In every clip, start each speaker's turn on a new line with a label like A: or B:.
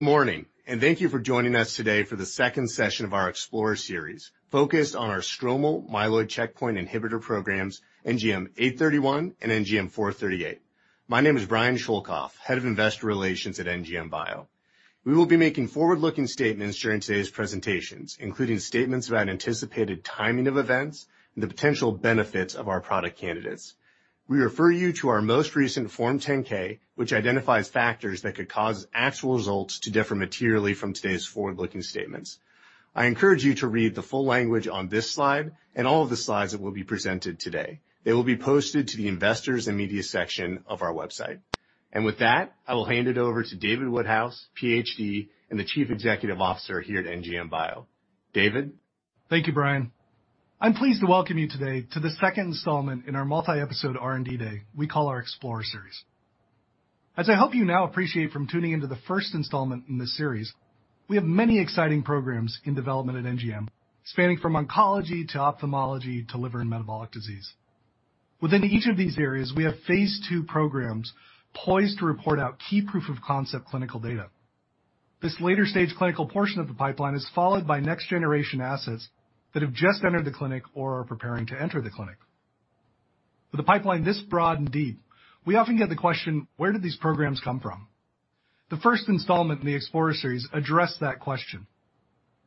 A: Morning, and thank you for joining us today for the second session of our Explorer Series, focused on our stromal myeloid checkpoint inhibitor programs, NGM831 and NGM438. My name is Brian Schoelkopf, Head of Investor Relations at NGM Bio. We will be making forward-looking statements during today's presentations, including statements about anticipated timing of events and the potential benefits of our product candidates. We refer you to our most recent Form 10-K, which identifies factors that could cause actual results to differ materially from today's forward-looking statements. I encourage you to read the full language on this slide and all of the slides that will be presented today. They will be posted to the Investors and Media section of our website. With that, I will hand it over to David Woodhouse, PhD, Chief Executive Officer here at NGM Bio. David.
B: Thank you, Brian. I'm pleased to welcome you today to the second installment in our multi-episode R&D day we call our Explorer Series. As I hope you now appreciate from tuning into the first installment in this series, we have many exciting programs in development at NGM, spanning from oncology to ophthalmology to liver and metabolic disease. Within each of these areas, we have phase II programs poised to report out key proof of concept clinical data. This later stage clinical portion of the pipeline is followed by next generation assets that have just entered the clinic or are preparing to enter the clinic. With a pipeline this broad and deep, we often get the question, where did these programs come from? The first installment in the Explorer Series addressed that question.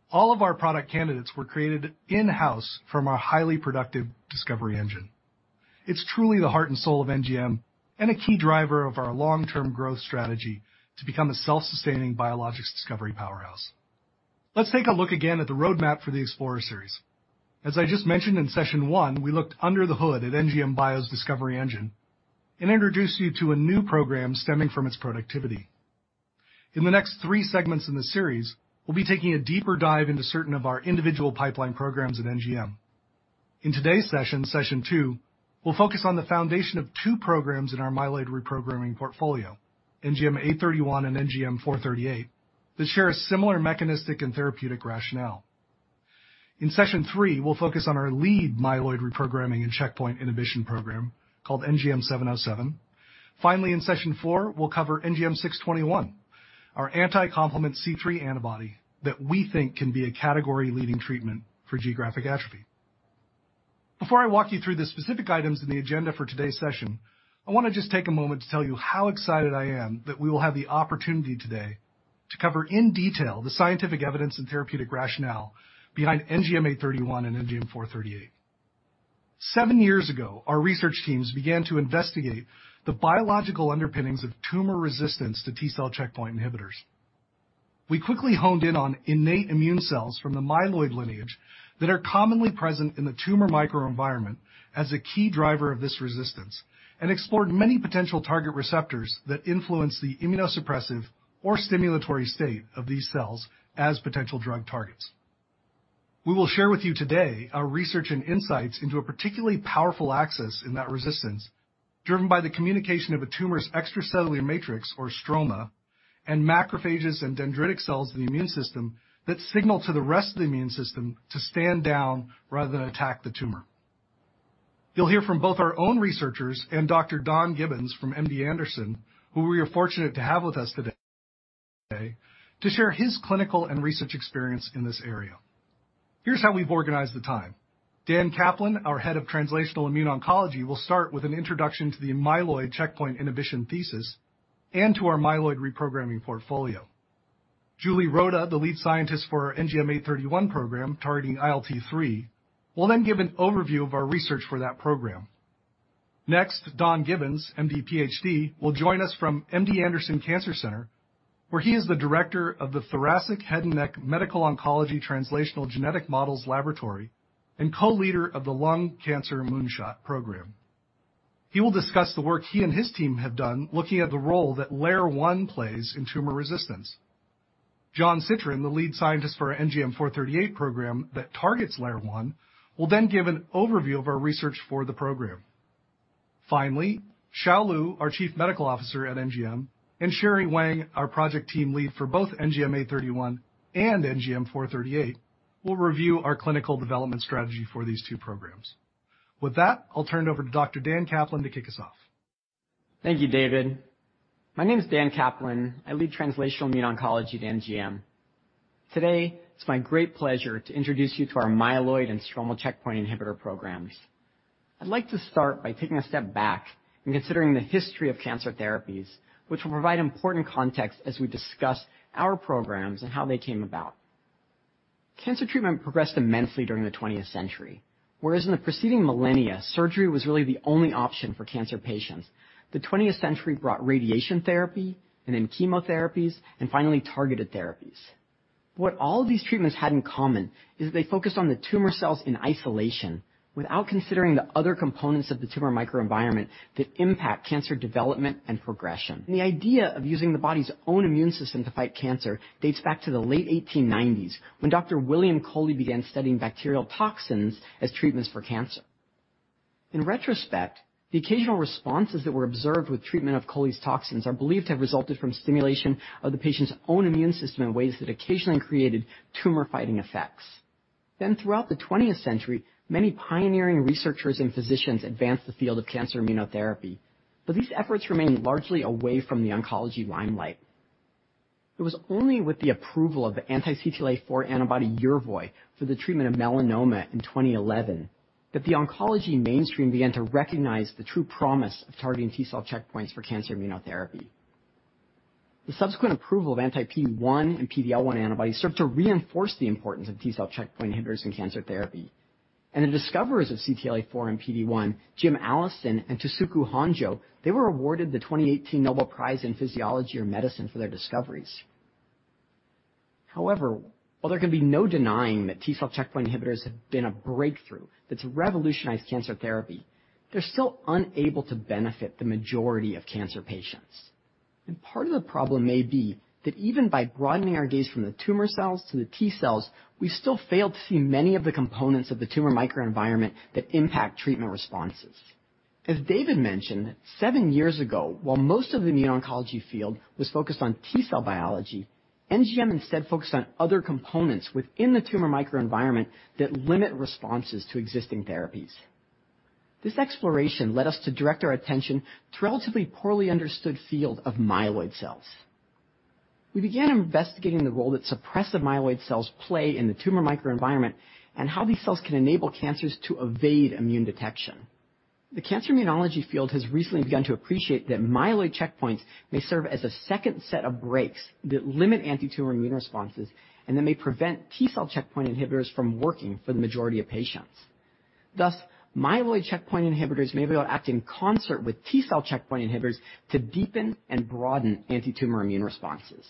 B: All of our product candidates were created in-house from our highly productive discovery engine. It's truly the heart and soul of NGM, and a key driver of our long-term growth strategy to become a self-sustaining biologics discovery powerhouse. Let's take a look again at the roadmap for the Explorer Series. As I just mentioned in session one, we looked under the hood at NGM Bio's discovery engine and introduced you to a new program stemming from its productivity. In the next three segments in the series, we'll be taking a deeper dive into certain of our individual pipeline programs at NGM. In today's session two, we'll focus on the foundation of two programs in our myeloid reprogramming portfolio, NGM831 and NGM438, that share a similar mechanistic and therapeutic rationale. In session three, we'll focus on our lead myeloid reprogramming and checkpoint inhibition program called NGM707 Finally, in session four, we'll cover NGM621, our anti-complement C3 antibody that we think can be a category leading treatment for geographic atrophy. Before I walk you through the specific items in the agenda for today's session, I wanna just take a moment to tell you how excited I am that we will have the opportunity today to cover in detail the scientific evidence and therapeutic rationale behind NGM831 and NGM438. Seven years ago, our research teams began to investigate the biological underpinnings of tumor resistance to T cell checkpoint inhibitors. We quickly honed in on innate immune cells from the myeloid lineage that are commonly present in the tumor microenvironment as a key driver of this resistance, and explored many potential target receptors that influence the immunosuppressive or stimulatory state of these cells as potential drug targets. We will share with you today our research and insights into a particularly powerful axis in that resistance, driven by the communication of a tumorous extracellular matrix or stroma and macrophages and dendritic cells in the immune system that signal to the rest of the immune system to stand down rather than attack the tumor. You'll hear from both our own researchers and Dr. Don Gibbons from MD Anderson Cancer Center, who we are fortunate to have with us today, to share his clinical and research experience in this area. Here's how we've organized the time. Dan Kaplan, our head of Translational Immune Oncology, will start with an introduction to the myeloid checkpoint inhibition thesis and to our myeloid reprogramming portfolio. Julie Roda, the lead scientist for our NGM831 program targeting ILT3, will then give an overview of our research for that program. Next, Don Gibbons, MD PhD, will join us from MD Anderson Cancer Center, where he is the director of the Thoracic/Head and Neck Medical Oncology Translational Genetic Models Laboratory and co-leader of the Lung Cancer Moon Shot Program. He will discuss the work he and his team have done looking at the role that LAIR1 plays in tumor resistance. Jonathan Sitrin, the lead scientist for our NGM-438 program that targets LAIR1, will then give an overview of our research for the program. Finally, Hsiao D. Lieu, our Chief Medical Officer at NGM, and Sherry Wang, our project team lead for both NGM-831 and NGM-438, will review our clinical development strategy for these two programs. With that, I'll turn it over to Dr. Daniel Kaplan to kick us off.
C: Thank you, David. My name is Dan Kaplan. I lead Translational Immune Oncology at NGM. Today, it's my great pleasure to introduce you to our myeloid and stromal checkpoint inhibitor programs. I'd like to start by taking a step back and considering the history of cancer therapies, which will provide important context as we discuss our programs and how they came about. Cancer treatment progressed immensely during the twentieth century. Whereas in the preceding millennia, surgery was really the only option for cancer patients, the twentieth century brought radiation therapy and then chemotherapies and finally targeted therapies. What all of these treatments had in common is they focused on the tumor cells in isolation without considering the other components of the tumor microenvironment that impact cancer development and progression. The idea of using the body's own immune system to fight cancer dates back to the late 1890s when Dr. William B. Coley began studying bacterial toxins as treatments for cancer. In retrospect, the occasional responses that were observed with treatment of Coley's toxins are believed to have resulted from stimulation of the patient's own immune system in ways that occasionally created tumor-fighting effects. Throughout the twentieth century, many pioneering researchers and physicians advanced the field of cancer immunotherapy, but these efforts remained largely away from the oncology limelight. It was only with the approval of the anti-CTLA-4 antibody Yervoy for the treatment of melanoma in 2011 that the oncology mainstream began to recognize the true promise of targeting T cell checkpoints for cancer immunotherapy. The subsequent approval of anti-PD-1 and PD-L1 antibodies served to reinforce the importance of T cell checkpoint inhibitors in cancer therapy. The discoverers of CTLA-4 and PD-1, James P. Allison and Tasuku Honjo, they were awarded the 2018 Nobel Prize in Physiology or Medicine for their discoveries. However, while there can be no denying that T cell checkpoint inhibitors have been a breakthrough that's revolutionized cancer therapy, they're still unable to benefit the majority of cancer patients. Part of the problem may be that even by broadening our gaze from the tumor cells to the T cells, we still fail to see many of the components of the tumor microenvironment that impact treatment responses. As David mentioned, seven years ago, while most of the immuno-oncology field was focused on T cell biology, NGM instead focused on other components within the tumor microenvironment that limit responses to existing therapies. This exploration led us to direct our attention to the relatively poorly understood field of myeloid cells. We began investigating the role that suppressive myeloid cells play in the tumor microenvironment and how these cells can enable cancers to evade immune detection. The cancer immunology field has recently begun to appreciate that myeloid checkpoints may serve as a second set of breaks that limit antitumor immune responses and that may prevent T cell checkpoint inhibitors from working for the majority of patients. Thus, myeloid checkpoint inhibitors may be able to act in concert with T cell checkpoint inhibitors to deepen and broaden antitumor immune responses.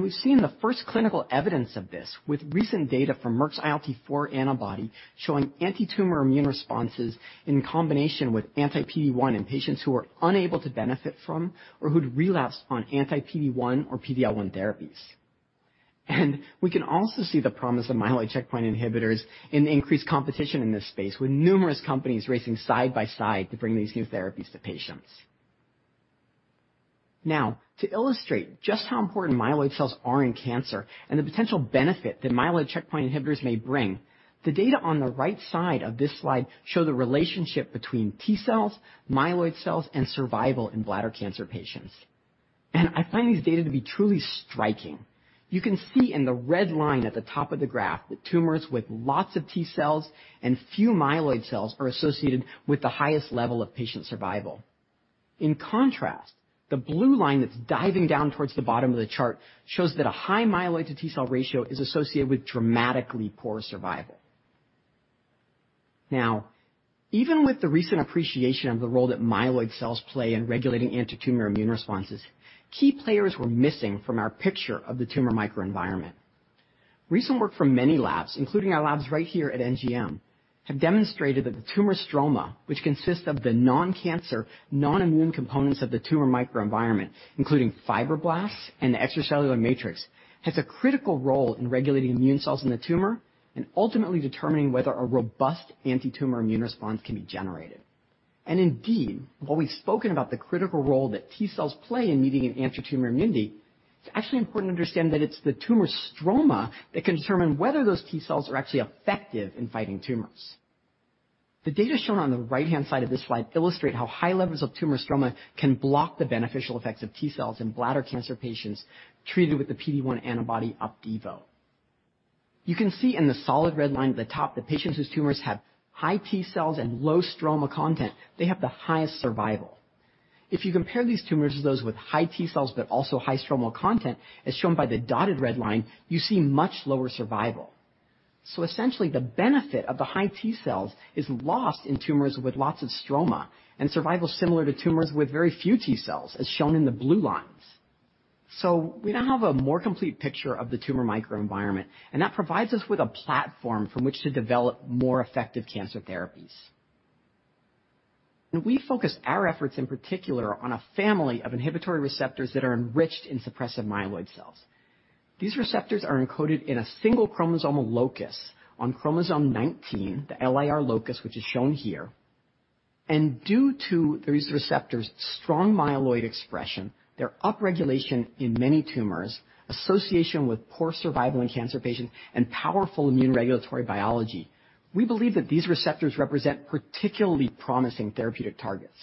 C: We've seen the first clinical evidence of this with recent data from Merck's ILT-4 antibody showing antitumor immune responses in combination with anti-PD-1 in patients who are unable to benefit from or who'd relapsed on anti-PD-1 or PD-L1 therapies. We can also see the promise of myeloid checkpoint inhibitors in the increased competition in this space, with numerous companies racing side by side to bring these new therapies to patients. Now, to illustrate just how important myeloid cells are in cancer and the potential benefit that myeloid checkpoint inhibitors may bring, the data on the right side of this slide show the relationship between T cells, myeloid cells, and survival in bladder cancer patients. I find these data to be truly striking. You can see in the red line at the top of the graph that tumors with lots of T cells and few myeloid cells are associated with the highest level of patient survival. In contrast, the blue line that's diving down towards the bottom of the chart shows that a high myeloid-to-T cell ratio is associated with dramatically poorer survival. Now, even with the recent appreciation of the role that myeloid cells play in regulating antitumor immune responses, key players were missing from our picture of the tumor microenvironment. Recent work from many labs, including our labs right here at NGM, have demonstrated that the tumor stroma, which consists of the non-cancer, non-immune components of the tumor microenvironment, including fibroblasts and the extracellular matrix, has a critical role in regulating immune cells in the tumor and ultimately determining whether a robust antitumor immune response can be generated. Indeed, while we've spoken about the critical role that T cells play in mediating antitumor immunity, it's actually important to understand that it's the tumor stroma that can determine whether those T cells are actually effective in fighting tumors. The data shown on the right-hand side of this slide illustrate how high levels of tumor stroma can block the beneficial effects of T cells in bladder cancer patients treated with the PD-1 antibody Opdivo. You can see in the solid red line at the top that patients whose tumors have high T cells and low stroma content, they have the highest survival. If you compare these tumors to those with high T cells but also high stromal content, as shown by the dotted red line, you see much lower survival. Essentially, the benefit of the high T cells is lost in tumors with lots of stroma, and survival is similar to tumors with very few T cells, as shown in the blue lines. We now have a more complete picture of the tumor microenvironment, and that provides us with a platform from which to develop more effective cancer therapies. We focus our efforts in particular on a family of inhibitory receptors that are enriched in suppressive myeloid cells. These receptors are encoded in a single chromosomal locus on chromosome 19, the LIR locus, which is shown here. Due to these receptors' strong myeloid expression, their upregulation in many tumors, association with poor survival in cancer patients, and powerful immune regulatory biology, we believe that these receptors represent particularly promising therapeutic targets.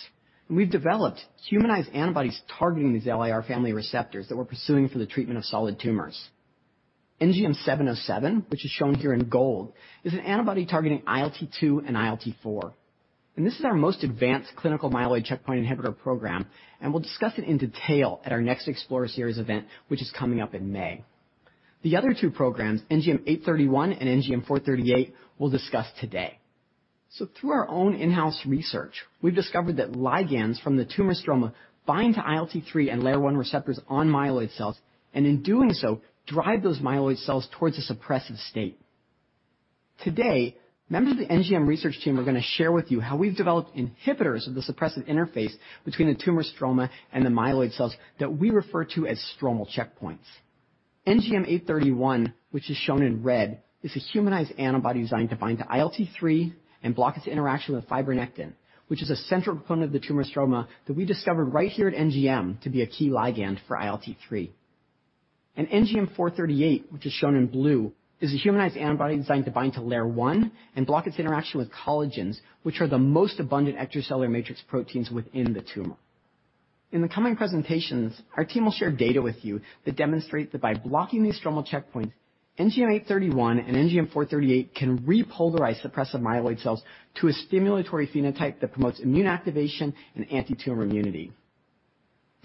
C: We've developed humanized antibodies targeting these LIR family receptors that we're pursuing for the treatment of solid tumors. NGM-707, which is shown here in gold, is an antibody targeting ILT-2 and ILT-4. This is our most advanced clinical myeloid checkpoint inhibitor program, and we'll discuss it in detail at our next Explorer Series event, which is coming up in May. The other two programs, NGM831 and NGM438, we'll discuss today. Through our own in-house research, we've discovered that ligands from the tumor stroma bind to ILT3 and LAIR1 receptors on myeloid cells, and in doing so, drive those myeloid cells towards a suppressive state. Today, members of the NGM research team are going to share with you how we've developed inhibitors of the suppressive interface between the tumor stroma and the myeloid cells that we refer to as stromal checkpoints. NGM831, which is shown in red, is a humanized antibody designed to bind to ILT3 and block its interaction with fibronectin, which is a central component of the tumor stroma that we discovered right here at NGM to be a key ligand for ILT3. NGM438, which is shown in blue, is a humanized antibody designed to bind to LAIR1 and block its interaction with collagens, which are the most abundant extracellular matrix proteins within the tumor. In the coming presentations, our team will share data with you that demonstrate that by blocking these stromal checkpoints, NGM831 and NGM438 can repolarize suppressive myeloid cells to a stimulatory phenotype that promotes immune activation and antitumor immunity.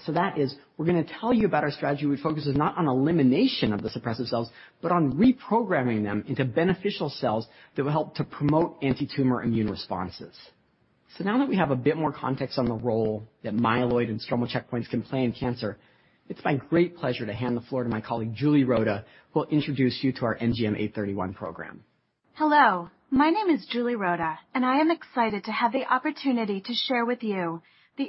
C: That is, we're gonna tell you about our strategy, which focuses not on elimination of the suppressive cells, but on reprogramming them into beneficial cells that will help to promote antitumor immune responses. Now that we have a bit more context on the role that myeloid and stromal checkpoints can play in cancer, it's my great pleasure to hand the floor to my colleague, Julie Roda, who will introduce you to our NGM831 program.
D: Hello, my name is Julie Roda, and I am excited to have the opportunity to share with you the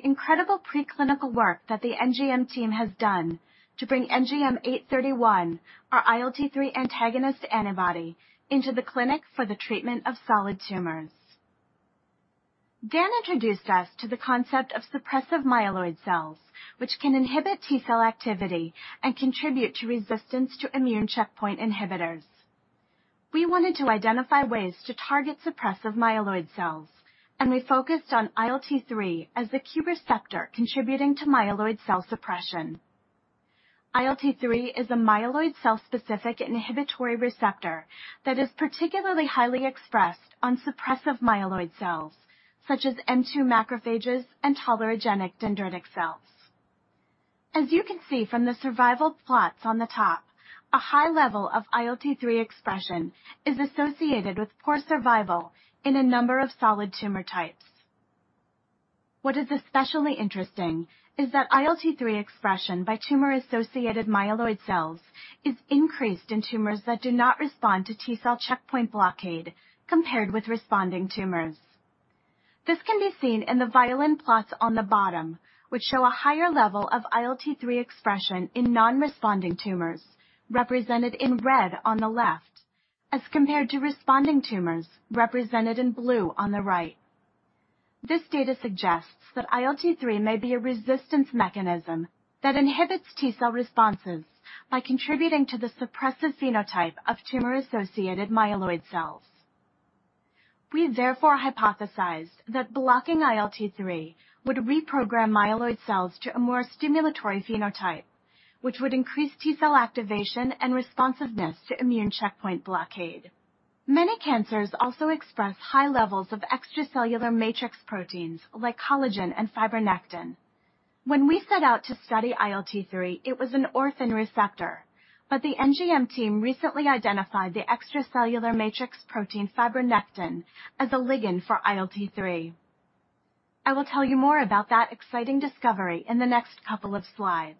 D: incredible preclinical work that the NGM team has done to bring NGM831, our ILT3 antagonist antibody into the clinic for the treatment of solid tumors. Dan introduced us to the concept of suppressive myeloid cells, which can inhibit T cell activity and contribute to resistance to immune checkpoint inhibitors. We wanted to identify ways to target suppressive myeloid cells, and we focused on ILT3 as the key receptor contributing to myeloid cell suppression. ILT3 is a myeloid cell-specific inhibitory receptor that is particularly highly expressed on suppressive myeloid cells, such as M2 macrophages and tolerogenic dendritic cells. As you can see from the survival plots on the top, a high level of ILT3 expression is associated with poor survival in a number of solid tumor types. What is especially interesting is that ILT3 expression by tumor-associated myeloid cells is increased in tumors that do not respond to T cell checkpoint blockade compared with responding tumors. This can be seen in the violin plots on the bottom, which show a higher level of ILT3 expression in non-responding tumors, represented in red on the left, as compared to responding tumors, represented in blue on the right. This data suggests that ILT3 may be a resistance mechanism that inhibits T cell responses by contributing to the suppressive phenotype of tumor-associated myeloid cells. We therefore hypothesized that blocking ILT3 would reprogram myeloid cells to a more stimulatory phenotype, which would increase T cell activation and responsiveness to immune checkpoint blockade. Many cancers also express high levels of extracellular matrix proteins like collagen and fibronectin. When we set out to study ILT3, it was an orphan receptor, but the NGM team recently identified the extracellular matrix protein fibronectin as a ligand for ILT3. I will tell you more about that exciting discovery in the next couple of slides.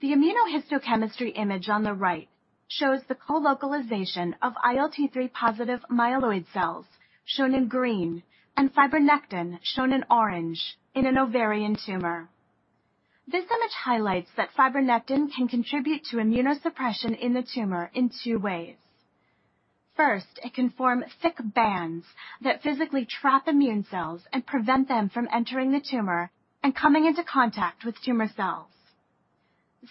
D: The immunohistochemistry image on the right shows the colocalization of ILT3 positive myeloid cells, shown in green, and fibronectin, shown in orange, in an ovarian tumor. This image highlights that fibronectin can contribute to immunosuppression in the tumor in two ways. First, it can form thick bands that physically trap immune cells and prevent them from entering the tumor and coming into contact with tumor cells.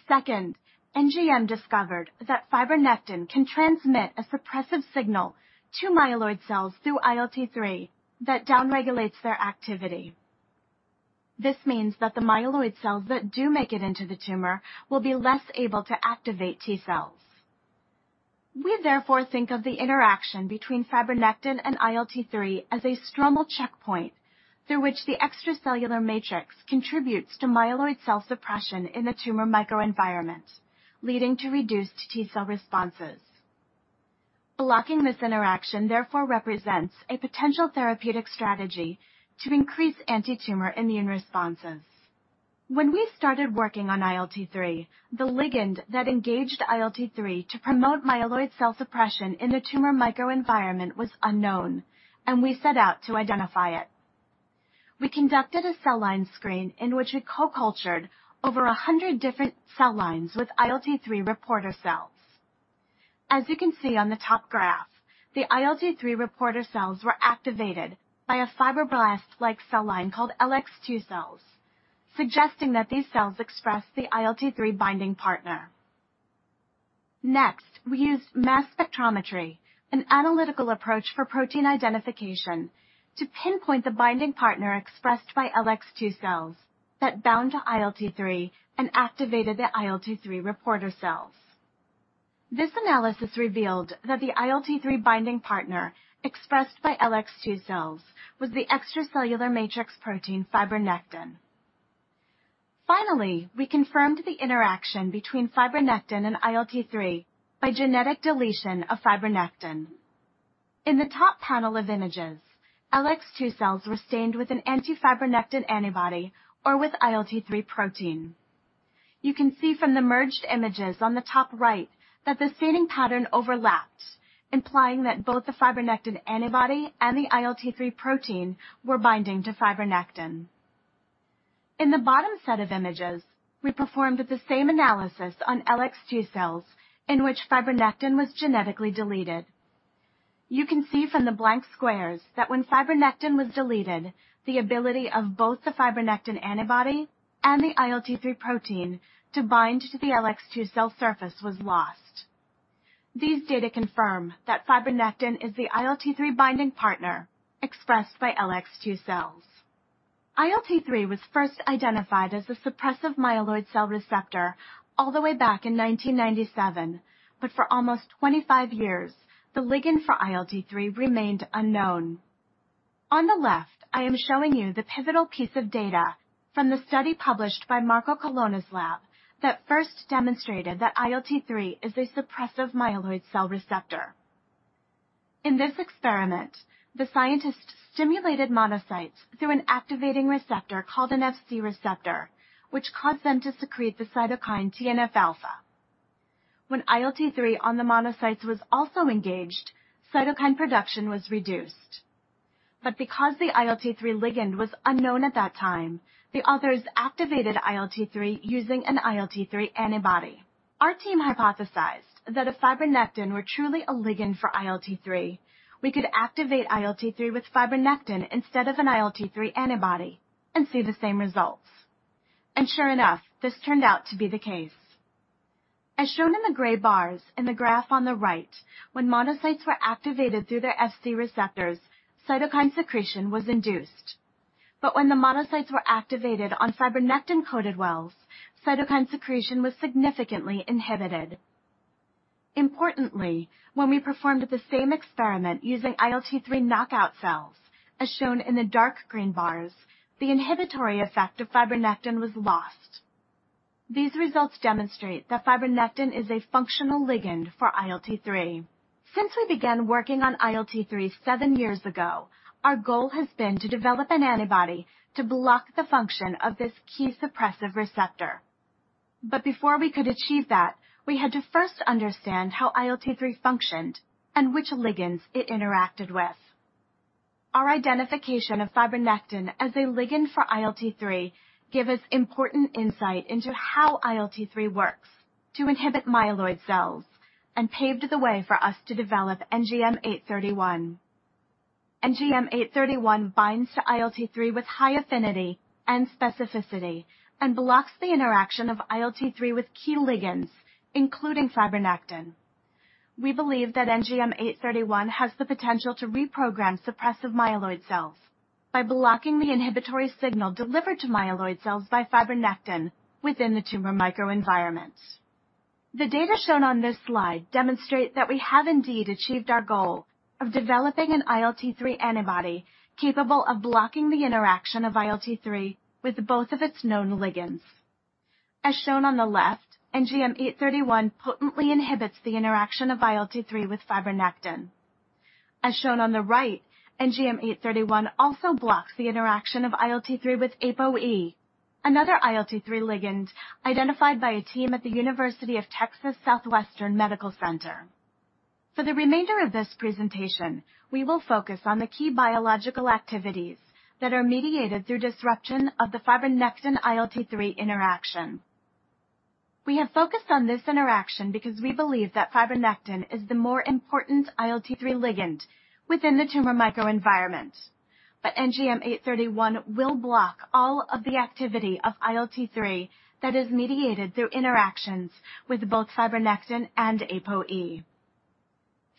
D: Second, NGM discovered that fibronectin can transmit a suppressive signal to myeloid cells through ILT3 that downregulates their activity. This means that the myeloid cells that do make it into the tumor will be less able to activate T cells. We therefore think of the interaction between fibronectin and ILT3 as a stromal checkpoint through which the extracellular matrix contributes to myeloid cell suppression in the tumor microenvironment, leading to reduced T cell responses. Blocking this interaction, therefore, represents a potential therapeutic strategy to increase antitumor immune responses. When we started working on ILT3, the ligand that engaged ILT3 to promote myeloid cell suppression in the tumor microenvironment was unknown, and we set out to identify it. We conducted a cell line screen in which we co-cultured over a hundred different cell lines with ILT3 reporter cells. As you can see on the top graph, the ILT3 reporter cells were activated by a fibroblast-like cell line called LX2 cells, suggesting that these cells express the ILT3 binding partner. Next, we used mass spectrometry, an analytical approach for protein identification, to pinpoint the binding partner expressed by LX2 cells that bound to ILT3 and activated the ILT3 reporter cells. This analysis revealed that the ILT3 binding partner expressed by LX2 cells was the extracellular matrix protein fibronectin. Finally, we confirmed the interaction between fibronectin and ILT3 by genetic deletion of fibronectin. In the top panel of images, LX2 cells were stained with an anti-fibronectin antibody or with ILT3 protein. You can see from the merged images on the top right that the staining pattern overlapped, implying that both the fibronectin antibody and the ILT3 protein were binding to fibronectin. In the bottom set of images, we performed the same analysis on LX2 cells in which fibronectin was genetically deleted. You can see from the blank squares that when fibronectin was deleted, the ability of both the fibronectin antibody and the ILT3 protein to bind to the LX2 cell surface was lost. These data confirm that fibronectin is the ILT3 binding partner expressed by LX2 cells. ILT3 was first identified as the suppressive myeloid cell receptor all the way back in 1997. For almost 25 years, the ligand for ILT3 remained unknown. On the left, I am showing you the pivotal piece of data from the study published by Marco Colonna's lab that first demonstrated that ILT3 is a suppressive myeloid cell receptor. In this experiment, the scientist stimulated monocytes through an activating receptor called an Fc receptor, which caused them to secrete the cytokine TNF-alpha. When ILT3 on the monocytes was also engaged, cytokine production was reduced. Because the ILT3 ligand was unknown at that time, the authors activated ILT3 using an ILT3 antibody. Our team hypothesized that if fibronectin were truly a ligand for ILT3, we could activate ILT3 with fibronectin instead of an ILT3 antibody and see the same results. Sure enough, this turned out to be the case. As shown in the gray bars in the graph on the right, when monocytes were activated through their Fc receptors, cytokine secretion was induced. When the monocytes were activated on fibronectin-coated wells, cytokine secretion was significantly inhibited. Importantly, when we performed the same experiment using ILT3 knockout cells, as shown in the dark green bars, the inhibitory effect of fibronectin was lost. These results demonstrate that fibronectin is a functional ligand for ILT3. Since we began working on ILT3 seven years ago, our goal has been to develop an antibody to block the function of this key suppressive receptor. Before we could achieve that, we had to first understand how ILT3 functioned and which ligands it interacted with. Our identification of fibronectin as a ligand for ILT3 give us important insight into how ILT3 works to inhibit myeloid cells and paved the way for us to develop NGM-831. NGM-831 binds to ILT3 with high affinity and specificity and blocks the interaction of ILT3 with key ligands, including fibronectin. We believe that NGM-831 has the potential to reprogram suppressive myeloid cells by blocking the inhibitory signal delivered to myeloid cells by fibronectin within the tumor microenvironment. The data shown on this slide demonstrate that we have indeed achieved our goal of developing an ILT3 antibody capable of blocking the interaction of ILT3 with both of its known ligands. As shown on the left, NGM-831 potently inhibits the interaction of ILT3 with fibronectin. As shown on the right, NGM-831 also blocks the interaction of ILT3 with ApoE, another ILT3 ligand identified by a team at the University of Texas Southwestern Medical Center. For the remainder of this presentation, we will focus on the key biological activities that are mediated through disruption of the fibronectin ILT3 interaction. We have focused on this interaction because we believe that fibronectin is the more important ILT3 ligand within the tumor microenvironment. NGM-831 will block all of the activity of ILT3 that is mediated through interactions with both fibronectin and ApoE.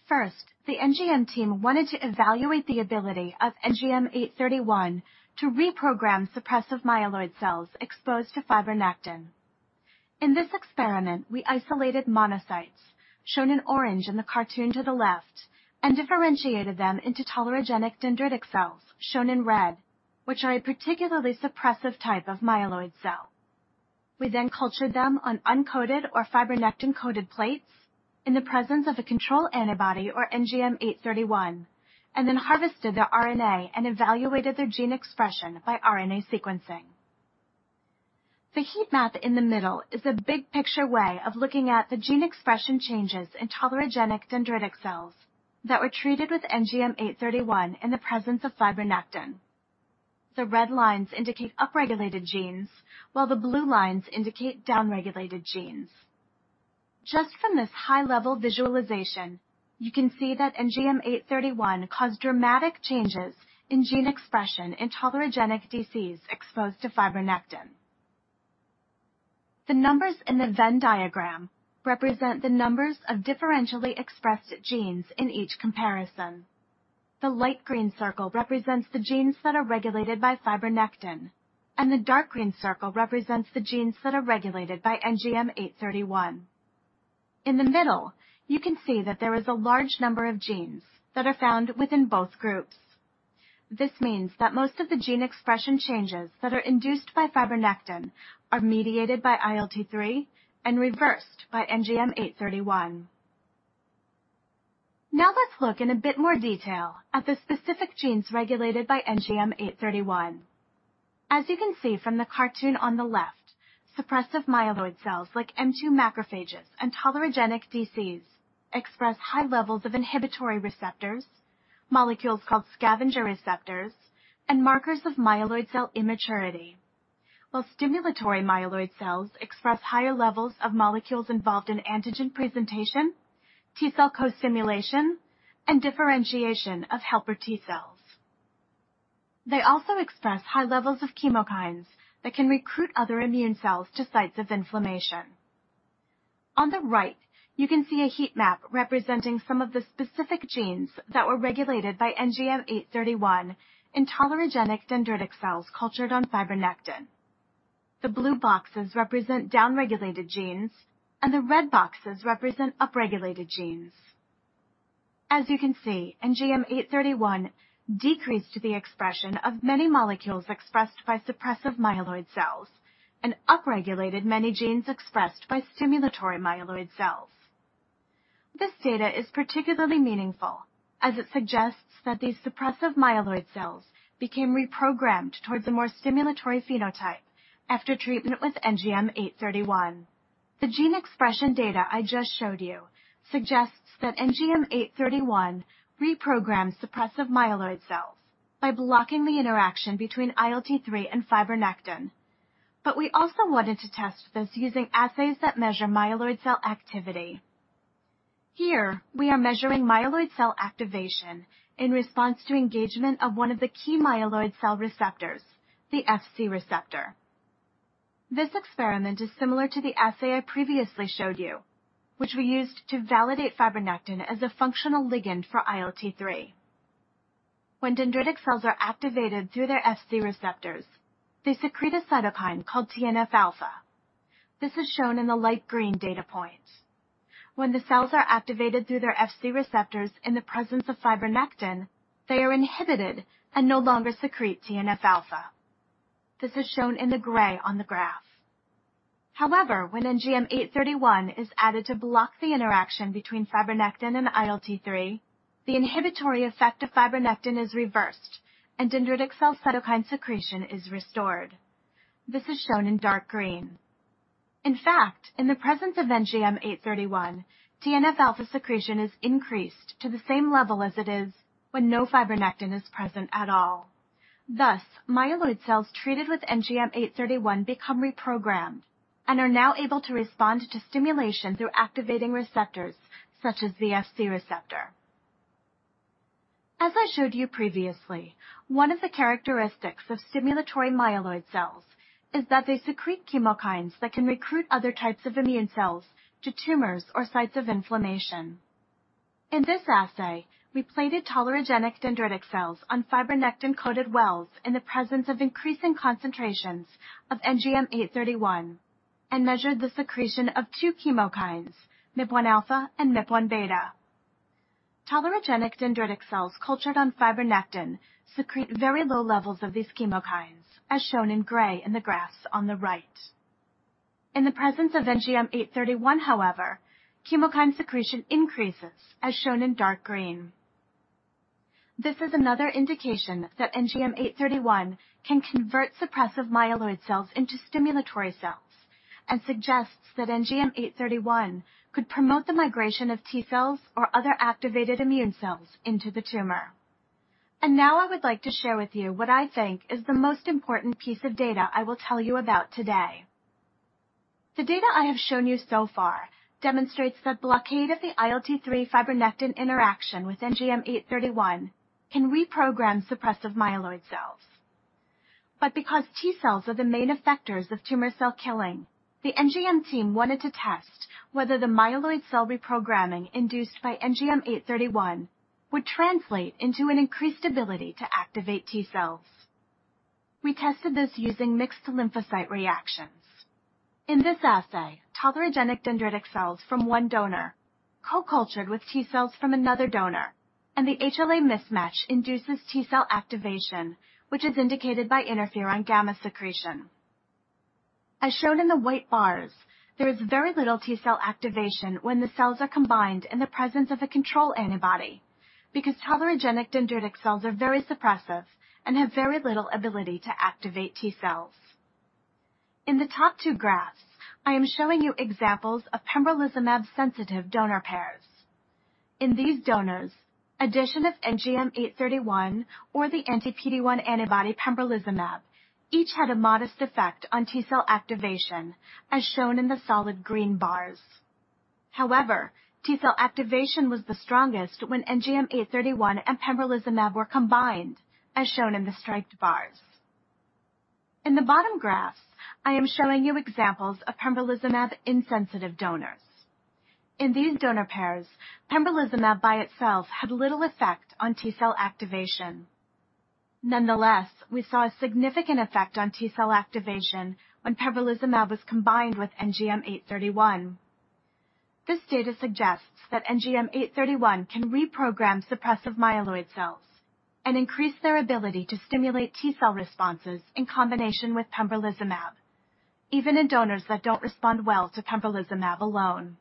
D: First, the NGM team wanted to evaluate the ability of NGM-831 to reprogram suppressive myeloid cells exposed to fibronectin. In this experiment, we isolated monocytes, shown in orange in the cartoon to the left, and differentiated them into tolerogenic dendritic cells, shown in red, which are a particularly suppressive type of myeloid cell. We then cultured them on uncoated or fibronectin-coated plates in the presence of a control antibody or NGM-831, and then harvested their RNA and evaluated their gene expression by RNA sequencing. The heat map in the middle is a big-picture way of looking at the gene expression changes in tolerogenic dendritic cells that were treated with NGM-831 in the presence of fibronectin. The red lines indicate upregulated genes, while the blue lines indicate downregulated genes. Just from this high-level visualization, you can see that NGM-831 caused dramatic changes in gene expression in tolerogenic DCs exposed to fibronectin. The numbers in the Venn diagram represent the numbers of differentially expressed genes in each comparison. The light green circle represents the genes that are regulated by fibronectin, and the dark green circle represents the genes that are regulated by NGM831. In the middle, you can see that there is a large number of genes that are found within both groups. This means that most of the gene expression changes that are induced by fibronectin are mediated by ILT3 and reversed by NGM831. Now let's look in a bit more detail at the specific genes regulated by NGM831. As you can see from the cartoon on the left, suppressive myeloid cells like M2 macrophages and tolerogenic DCs express high levels of inhibitory receptors, molecules called scavenger receptors, and markers of myeloid cell immaturity. While stimulatory myeloid cells express higher levels of molecules involved in antigen presentation, T cell co-stimulation, and differentiation of helper T cells. They also express high levels of chemokines that can recruit other immune cells to sites of inflammation. On the right, you can see a heat map representing some of the specific genes that were regulated by NGM831 in tolerogenic dendritic cells cultured on fibronectin. The blue boxes represent down-regulated genes, and the red boxes represent up-regulated genes. As you can see, NGM831 decreased the expression of many molecules expressed by suppressive myeloid cells and up-regulated many genes expressed by stimulatory myeloid cells. This data is particularly meaningful as it suggests that these suppressive myeloid cells became reprogrammed towards a more stimulatory phenotype after treatment with NGM831. The gene expression data I just showed you suggests that NGM831 reprograms suppressive myeloid cells by blocking the interaction between ILT3 and fibronectin. We also wanted to test this using assays that measure myeloid cell activity. Here, we are measuring myeloid cell activation in response to engagement of one of the key myeloid cell receptors, the Fc receptor. This experiment is similar to the assay I previously showed you, which we used to validate fibronectin as a functional ligand for ILT3. When dendritic cells are activated through their Fc receptors, they secrete a cytokine called TNF-alpha. This is shown in the light green data point. When the cells are activated through their Fc receptors in the presence of fibronectin, they are inhibited and no longer secrete TNF-alpha. This is shown in the gray on the graph. However, when NGM831 is added to block the interaction between fibronectin and ILT3, the inhibitory effect of fibronectin is reversed and dendritic cell cytokine secretion is restored. This is shown in dark green. In fact, in the presence of NGM831, TNF-alpha secretion is increased to the same level as it is when no fibronectin is present at all. Thus, myeloid cells treated with NGM831 become reprogrammed and are now able to respond to stimulation through activating receptors such as the Fc receptor. As I showed you previously, one of the characteristics of stimulatory myeloid cells is that they secrete chemokines that can recruit other types of immune cells to tumors or sites of inflammation. In this assay, we plated tolerogenic dendritic cells on fibronectin-coated wells in the presence of increasing concentrations of NGM831 and measured the secretion of two chemokines, MIP-1 alpha and MIP-1 beta. Tolerogenic dendritic cells cultured on fibronectin secrete very low levels of these chemokines, as shown in gray in the graphs on the right. In the presence of NGM831 however, chemokine secretion increases, as shown in dark green. This is another indication that NGM831 can convert suppressive myeloid cells into stimulatory cells and suggests that NGM831 could promote the migration of T cells or other activated immune cells into the tumor. Now I would like to share with you what I think is the most important piece of data I will tell you about today. The data I have shown you so far demonstrates that blockade of the ILT3 fibronectin interaction with NGM831 can reprogram suppressive myeloid cells. Because T cells are the main effectors of tumor cell killing, the NGM team wanted to test whether the myeloid cell reprogramming induced by NGM831 would translate into an increased ability to activate T cells. We tested this using mixed lymphocyte reactions. In this assay, tolerogenic dendritic cells from one donor co-cultured with T cells from another donor, and the HLA mismatch induces T cell activation, which is indicated by interferon gamma secretion. As shown in the white bars, there is very little T cell activation when the cells are combined in the presence of a control antibody, because tolerogenic dendritic cells are very suppressive and have very little ability to activate T cells. In the top two graphs, I am showing you examples of pembrolizumab-sensitive donor pairs. In these donors, addition of NGM831 or the anti-PD-1 antibody pembrolizumab, each had a modest effect on T cell activation, as shown in the solid green bars. However, T cell activation was the strongest when NGM831 and pembrolizumab were combined, as shown in the striped bars. In the bottom graphs, I am showing you examples of pembrolizumab-insensitive donors. In these donor pairs, pembrolizumab by itself had little effect on T cell activation. Nonetheless, we saw a significant effect on T cell activation when pembrolizumab was combined with NGM831. This data suggests that NGM831 can reprogram suppressive myeloid cells and increase their ability to stimulate T cell responses in combination with pembrolizumab, even in donors that don't respond well to pembrolizumab alone.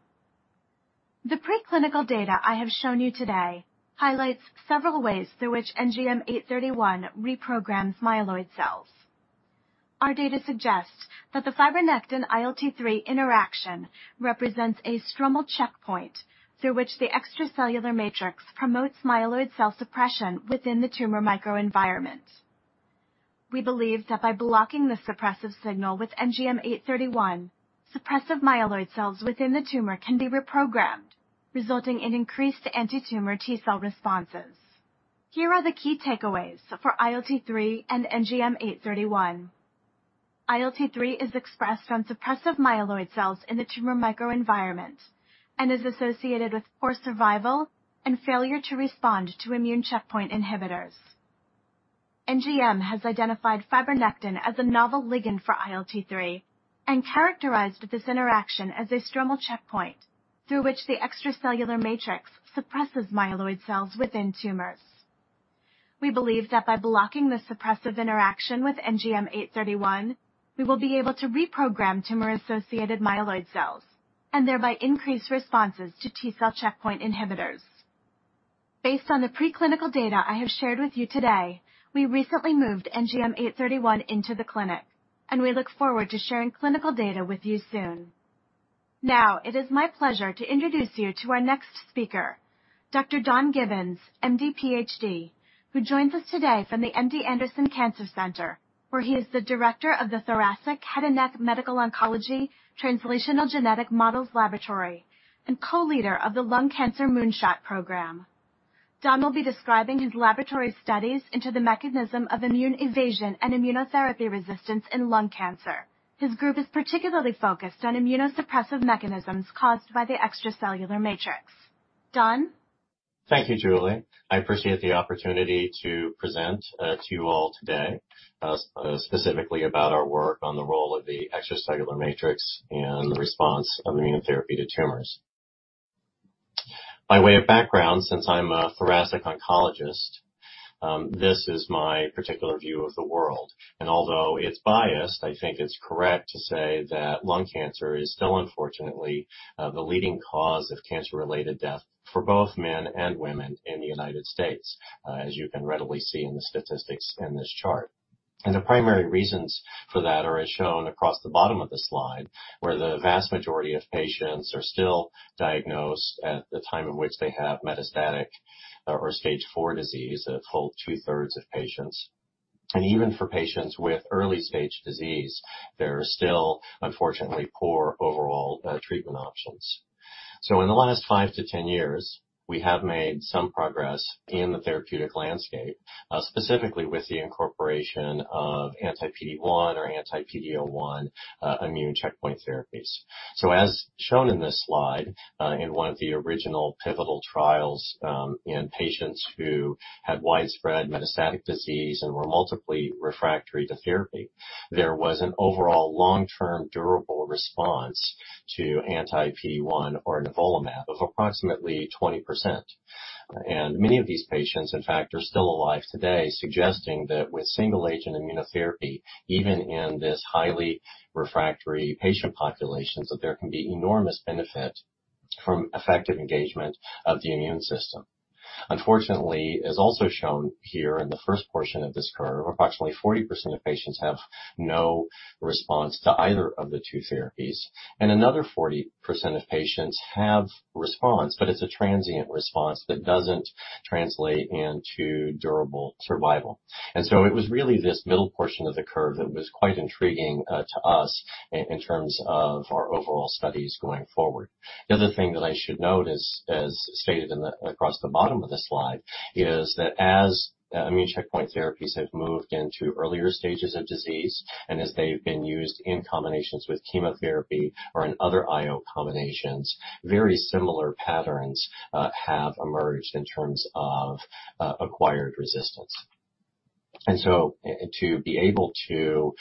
D: The preclinical data I have shown you today highlights several ways through which NGM831 reprograms myeloid cells. Our data suggest that the fibronectin ILT3 interaction represents a stromal checkpoint through which the extracellular matrix promotes myeloid cell suppression within the tumor microenvironment. We believe that by blocking the suppressive signal with NGM831, suppressive myeloid cells within the tumor can be reprogrammed, resulting in increased antitumor T cell responses. Here are the key takeaways for ILT3 and NGM831. ILT3 is expressed from suppressive myeloid cells in the tumor microenvironment and is associated with poor survival and failure to respond to immune checkpoint inhibitors. NGM has identified fibronectin as a novel ligand for ILT3 and characterized this interaction as a stromal checkpoint through which the extracellular matrix suppresses myeloid cells within tumors. We believe that by blocking the suppressive interaction with NGM-831, we will be able to reprogram tumor-associated myeloid cells and thereby increase responses to T cell checkpoint inhibitors. Based on the preclinical data I have shared with you today, we recently moved NGM-831 into the clinic, and we look forward to sharing clinical data with you soon. Now, it is my pleasure to introduce you to our next speaker, Dr. Don Gibbons, MD, PhD, who joins us today from the MD Anderson Cancer Center, where he is the Director of the Thoracic/Head and Neck Medical Oncology Translational Genetic Models Laboratory and co-leader of the Lung Cancer Moon Shot Program. Don will be describing his laboratory studies into the mechanism of immune evasion and immunotherapy resistance in lung cancer. His group is particularly focused on immunosuppressive mechanisms caused by the extracellular matrix. Don?
E: Thank you, Julie. I appreciate the opportunity to present to you all today, specifically about our work on the role of the extracellular matrix and the response of immunotherapy to tumors. By way of background, since I'm a thoracic oncologist, this is my particular view of the world, and although it's biased, I think it's correct to say that lung cancer is still, unfortunately, the leading cause of cancer-related death for both men and women in the United States, as you can readily see in the statistics in this chart. The primary reasons for that are as shown across the bottom of the slide, where the vast majority of patients are still diagnosed at the time at which they have metastatic or stage four disease. That's a whole two-thirds of patients. Even for patients with early-stage disease, there are still, unfortunately, poor overall treatment options. In the last five-10 years, we have made some progress in the therapeutic landscape, specifically with the incorporation of anti-PD-1 or anti-PD-L1 immune checkpoint therapies. As shown in this slide, in one of the original pivotal trials, in patients who had widespread metastatic disease and were multiply refractory to therapy, there was an overall long-term durable response to anti-PD-1 or nivolumab of approximately 20%. Many of these patients, in fact, are still alive today, suggesting that with single agent immunotherapy, even in this highly refractory patient populations, that there can be enormous benefit from effective engagement of the immune system. Unfortunately, as also shown here in the first portion of this curve, approximately 40% of patients have no response to either of the two therapies, and another 40% of patients have response, but it's a transient response that doesn't translate into durable survival. It was really this middle portion of the curve that was quite intriguing to us in terms of our overall studies going forward. The other thing that I should note is, as stated across the bottom of this slide, is that as immune checkpoint therapies have moved into earlier stages of disease and as they've been used in combinations with chemotherapy or in other IO combinations, very similar patterns have emerged in terms of acquired resistance. To be able to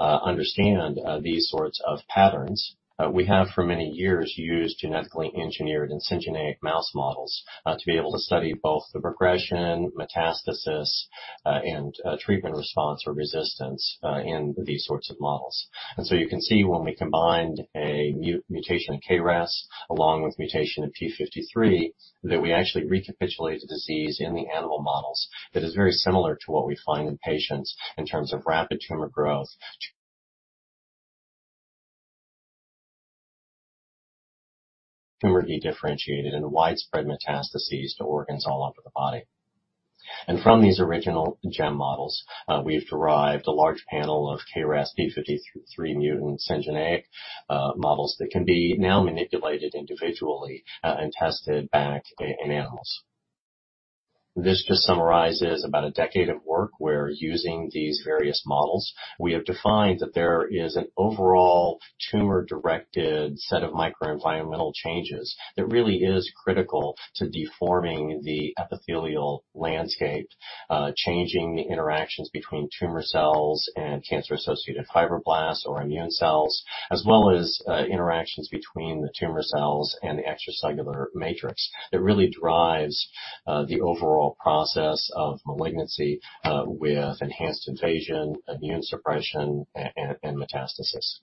E: understand these sorts of patterns, we have for many years used genetically engineered and syngeneic mouse models to be able to study both the progression, metastasis, and treatment response or resistance in these sorts of models. You can see when we combined a mutation of K-RAS along with mutation of TP53, that we actually recapitulate the disease in the animal models that is very similar to what we find in patients in terms of rapid tumor growth, tumor dedifferentiated, and widespread metastases to organs all over the body. From these original GEM models, we've derived a large panel of K-RAS P53 mutant syngeneic models that can be now manipulated individually and tested back in animals. This just summarizes about a decade of work where using these various models, we have defined that there is an overall tumor-directed set of microenvironmental changes that really is critical to deforming the epithelial landscape, changing the interactions between tumor cells and cancer-associated fibroblasts or immune cells, as well as interactions between the tumor cells and the extracellular matrix that really drives the overall process of malignancy with enhanced invasion, immune suppression, and metastasis.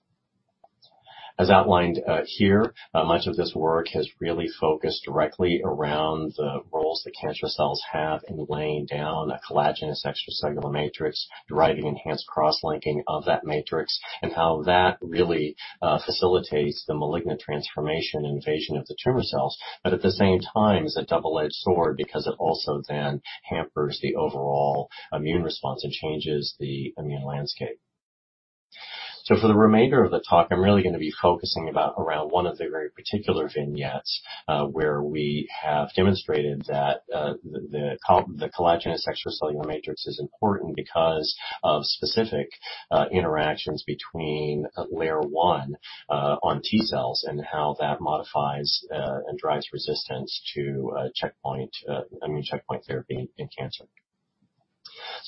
E: As outlined here, much of this work has really focused directly around the roles that cancer cells have in laying down a collagenous extracellular matrix, deriving enhanced cross-linking of that matrix, and how that really facilitates the malignant transformation and invasion of the tumor cells. At the same time, it's a double-edged sword because it also then hampers the overall immune response and changes the immune landscape. For the remainder of the talk, I'm really gonna be focusing around one of the very particular vignettes, where we have demonstrated that the collagenous extracellular matrix is important because of specific interactions between LAIR1 on T cells and how that modifies and drives resistance to immune checkpoint therapy in cancer.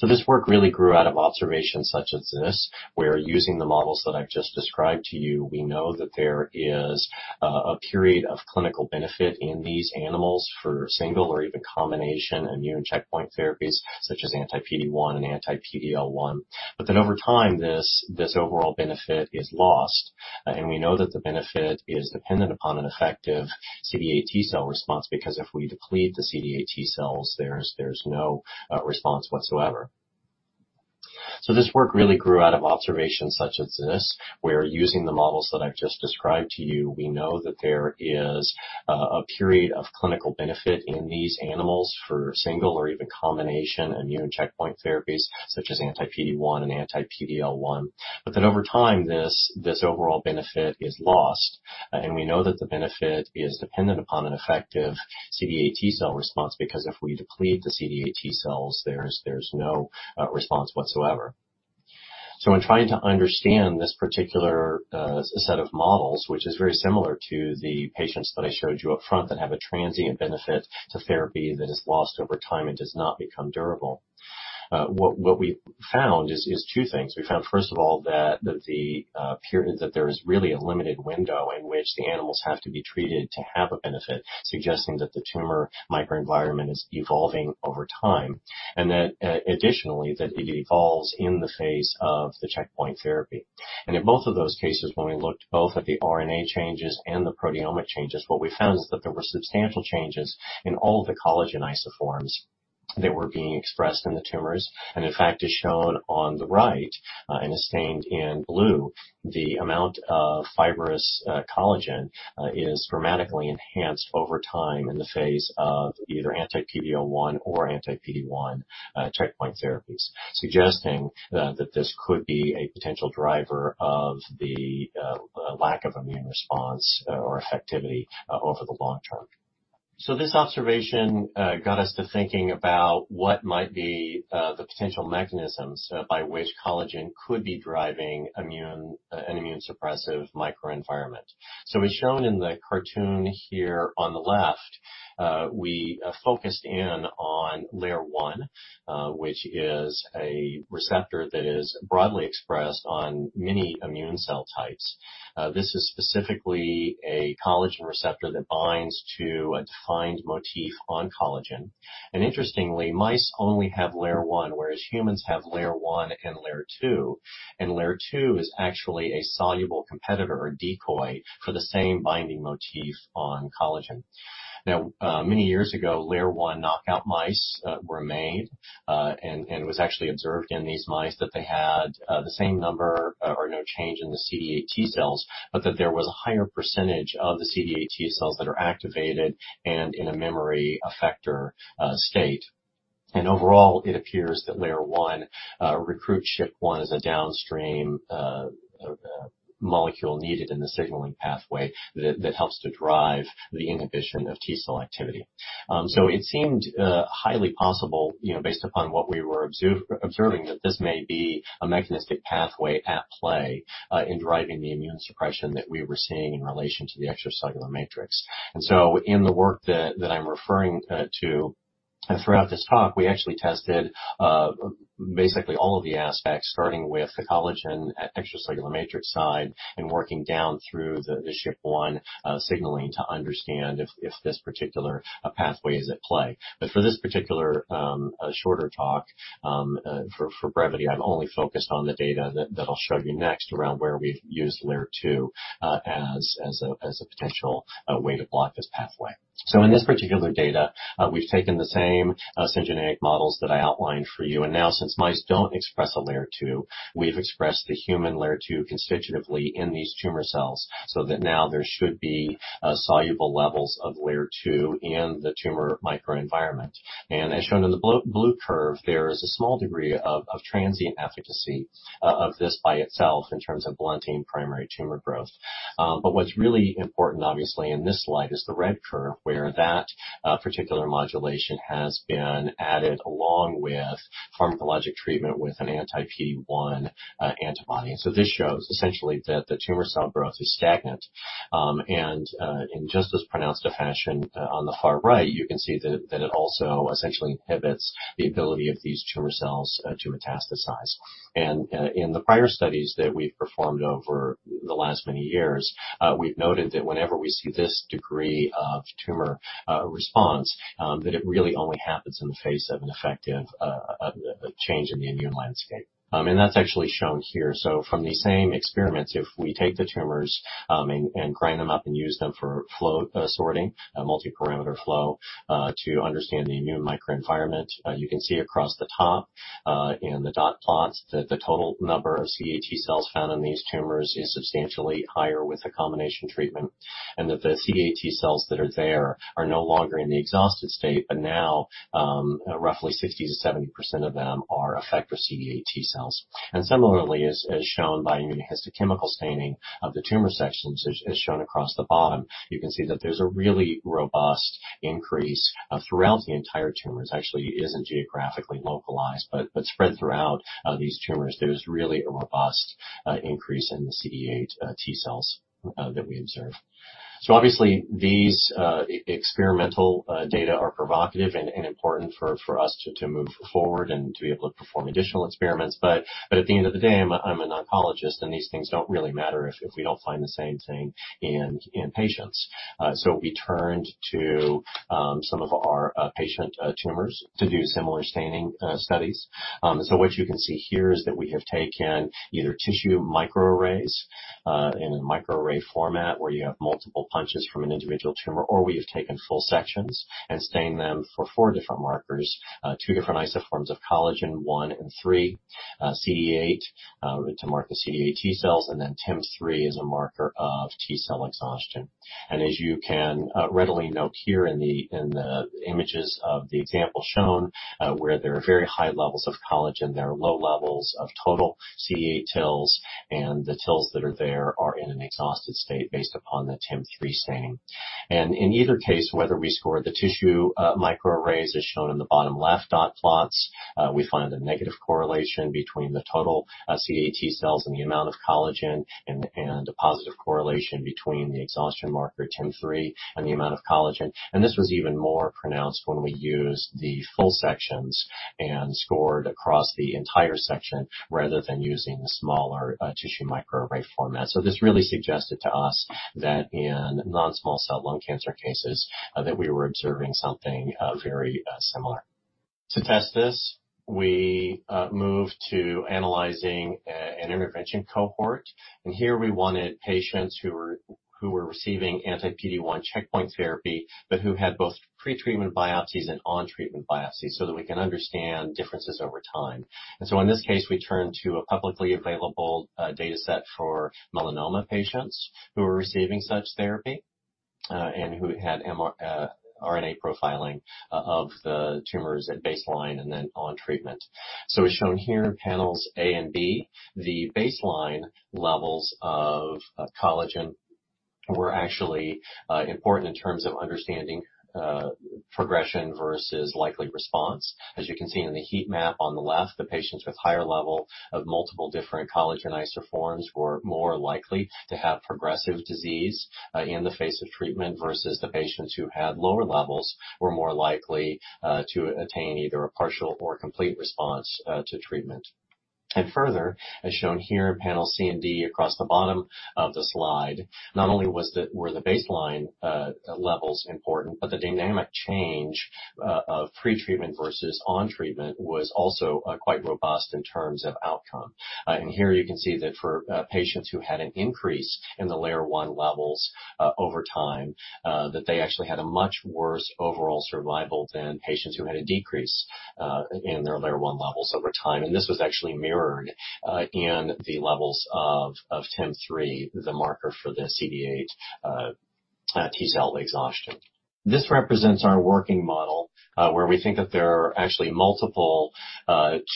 E: This work really grew out of observations such as this, where using the models that I've just described to you, we know that there is a period of clinical benefit in these animals for single or even combination immune checkpoint therapies such as anti-PD-1 and anti-PD-L1. Then over time, this overall benefit is lost. We know that the benefit is dependent upon an effective CD8 T cell response because if we deplete the CD8 T cells, there's no response whatsoever. This work really grew out of observations such as this, where using the models that I've just described to you, we know that there is a period of clinical benefit in these animals for single or even combination immune checkpoint therapies such as anti-PD-1 and anti-PD-L1. Then over time, this overall benefit is lost. We know that the benefit is dependent upon an effective CD8 T cell response because if we deplete the CD8 T cells, there's no response whatsoever. In trying to understand this particular set of models, which is very similar to the patients that I showed you up front that have a transient benefit to therapy that is lost over time and does not become durable, what we found is two things. We found, first of all, that there is really a limited window in which the animals have to be treated to have a benefit, suggesting that the tumor microenvironment is evolving over time. That, additionally, it evolves in the face of the checkpoint therapy. In both of those cases, when we looked both at the RNA changes and the proteomic changes, what we found is that there were substantial changes in all the collagen isoforms that were being expressed in the tumors. In fact, as shown on the right, and is stained in blue, the amount of fibrous collagen is dramatically enhanced over time in the face of either anti-PD-L1 or anti-PD-1 checkpoint therapies, suggesting that this could be a potential driver of the lack of immune response or activity over the long-term. This observation got us to thinking about what might be the potential mechanisms by which collagen could be driving an immune suppressive microenvironment. As shown in the cartoon here on the left, we focused in on LAIR1, which is a receptor that is broadly expressed on many immune cell types. This is specifically a collagen receptor that binds to a defined motif on collagen. Interestingly, mice only have LAIR1, whereas humans have LAIR1 and LAIR2, and LAIR2 is actually a soluble competitor or decoy for the same binding motif on collagen. Now, many years ago, LAIR1 knockout mice were made, and it was actually observed in these mice that they had the same number or no change in the CD8 T cells, but that there was a higher percentage of the CD8 T cells that are activated and in a memory effector state. Overall, it appears that LAIR1 recruits SHP-1 as a downstream molecule needed in the signaling pathway that helps to drive the inhibition of T cell activity. It seemed highly possible, you know, based upon what we were observing that this may be a mechanistic pathway at play in driving the immune suppression that we were seeing in relation to the extracellular matrix. In the work that I'm referring to and throughout this talk, we actually tested basically all of the aspects, starting with the collagen extracellular matrix side and working down through the SHP-1 signaling to understand if this particular pathway is at play. For this particular shorter talk, for brevity, I've only focused on the data that I'll show you next around where we've used LAIR2 as a potential way to block this pathway. In this particular data, we've taken the same syngeneic models that I outlined for you, and now since mice don't express a LAIR2, we've expressed the human LAIR2 constitutively in these tumor cells so that now there should be soluble levels of LAIR2 in the tumor microenvironment. As shown in the blue curve, there is a small degree of transient efficacy of this by itself in terms of blunting primary tumor growth. What's really important, obviously, in this slide is the red curve where that particular modulation has been added along with pharmacologic treatment with an anti-PD-1 antibody. This shows essentially that the tumor cell growth is stagnant, and in just as pronounced a fashion, on the far right, you can see that it also essentially inhibits the ability of these tumor cells to metastasize. In the prior studies that we've performed over the last many years, we've noted that whenever we see this degree of tumor response, that it really only happens in the face of an effective change in the immune landscape. That's actually shown here. From the same experiments, if we take the tumors and grind them up and use them for flow sorting, a multi-parameter flow, to understand the immune microenvironment, you can see across the top in the dot plots that the total number of CD8 T-cells found in these tumors is substantially higher with the combination treatment, and that the CD8 T-cells that are there are no longer in the exhausted state, but now roughly 60%-70% of them are effective CD8 T-cells. Similarly, as shown by immunohistochemical staining of the tumor sections, as shown across the bottom, you can see that there's a really robust increase throughout the entire tumors. Actually it isn't geographically localized, but spread throughout these tumors. There's really a robust increase in the CD8 T-cells that we observe. Obviously, these experimental data are provocative and important for us to move forward and to be able to perform additional experiments. At the end of the day, I'm an oncologist, and these things don't really matter if we don't find the same thing in patients. We turned to some of our patient tumors to do similar staining studies. What you can see here is that we have taken either tissue microarrays in a microarray format where you have multiple punches from an individual tumor, or we have taken full sections and stained them for four different markers, two different isoforms of collagen, one and three, CD8 to mark the CD8 T cells, and then TIM-3 as a marker of T cell exhaustion. As you can readily note here in the images of the example shown, where there are very high levels of collagen, there are low levels of total CD8 TILs, and the TILs that are there are in an exhausted state based upon the TIM-3 staining. In either case, whether we score the tissue microarrays, as shown in the bottom left dot plots, we find a negative correlation between the total CD8 T cells and the amount of collagen and a positive correlation between the exhaustion marker TIM-3 and the amount of collagen. This was even more pronounced when we used the full sections and scored across the entire section rather than using the smaller tissue microarray format. This really suggested to us that in non-small cell lung cancer cases, that we were observing something very similar. To test this, we moved to analyzing an intervention cohort. Here we wanted patients who were receiving anti-PD-1 checkpoint therapy but who had both pre-treatment biopsies and on-treatment biopsies so that we can understand differences over time. In this case, we turned to a publicly available data set for melanoma patients who were receiving such therapy, and who had RNA profiling of the tumors at baseline and then on treatment. As shown here in panels A and B, the baseline levels of collagen were actually important in terms of understanding progression versus likely response. As you can see in the heat map on the left, the patients with higher level of multiple different collagen isoforms were more likely to have progressive disease, in the face of treatment versus the patients who had lower levels were more likely to attain either a partial or complete response to treatment. Further, as shown here in panel C and D across the bottom of the slide, not only were the baseline levels important, but the dynamic change of pre-treatment versus on treatment was also quite robust in terms of outcome. Here you can see that for patients who had an increase in the LAIR1 levels over time, that they actually had a much worse overall survival than patients who had a decrease in their LAIR1 levels over time. This was actually mirrored in the levels of TIM-3, the marker for the CD8 T cells. T cell exhaustion. This represents our working model, where we think that there are actually multiple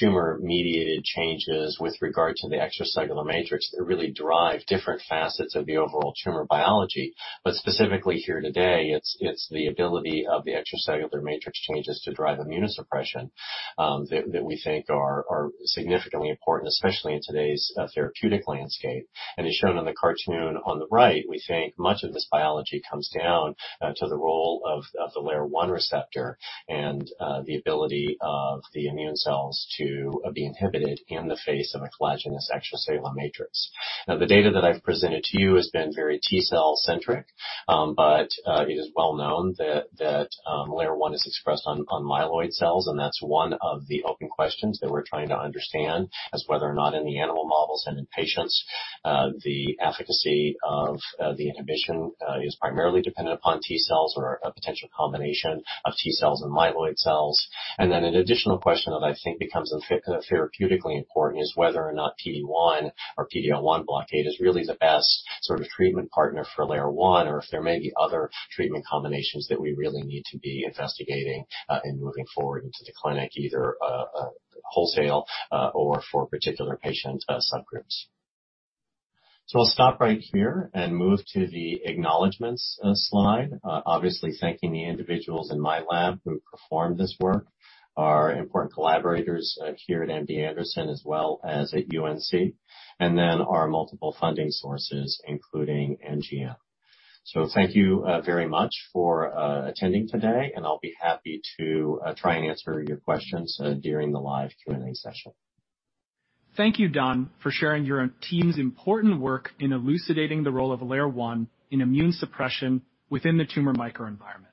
E: tumor-mediated changes with regard to the extracellular matrix that really drive different facets of the overall tumor biology. Specifically here today, it's the ability of the extracellular matrix changes to drive immunosuppression, that we think are significantly important, especially in today's therapeutic landscape. As shown in the cartoon on the right, we think much of this biology comes down to the role of the LAIR1 receptor and the ability of the immune cells to be inhibited in the face of a collagenous extracellular matrix. Now, the data that I've presented to you has been very T cell-centric, but it is well known that LAIR1 is expressed on myeloid cells, and that's one of the open questions that we're trying to understand as to whether or not in the animal models and in patients the efficacy of the inhibition is primarily dependent upon T cells or a potential combination of T cells and myeloid cells. An additional question that I think becomes therapeutically important is whether or not PD-1 or PD-L1 blockade is really the best sort of treatment partner for LAIR1, or if there may be other treatment combinations that we really need to be investigating in moving forward into the clinic, either wholesale or for particular patient subgroups. I'll stop right here and move to the acknowledgments slide. Obviously thanking the individuals in my lab who performed this work, our important collaborators here at MD Anderson, as well as at UNC, and then our multiple funding sources, including NGM. Thank you very much for attending today, and I'll be happy to try and answer your questions during the live Q&A session.
F: Thank you, Don, for sharing your team's important work in elucidating the role of LAIR1 in immune suppression within the tumor microenvironment.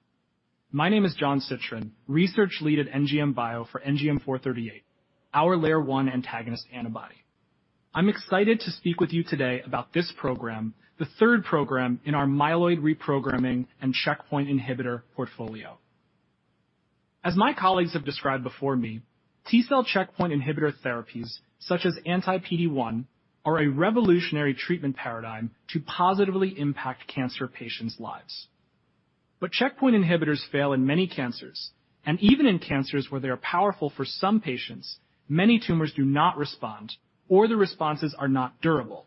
F: My name is Jonathan Sitrin, research lead at NGM Bio for NGM438, our LAIR1 antagonist antibody. I'm excited to speak with you today about this program, the third program in our myeloid reprogramming and checkpoint inhibitor portfolio. As my colleagues have described before me, T-cell checkpoint inhibitor therapies such as anti-PD-1 are a revolutionary treatment paradigm to positively impact cancer patients' lives. Checkpoint inhibitors fail in many cancers, and even in cancers where they are powerful for some patients, many tumors do not respond or the responses are not durable.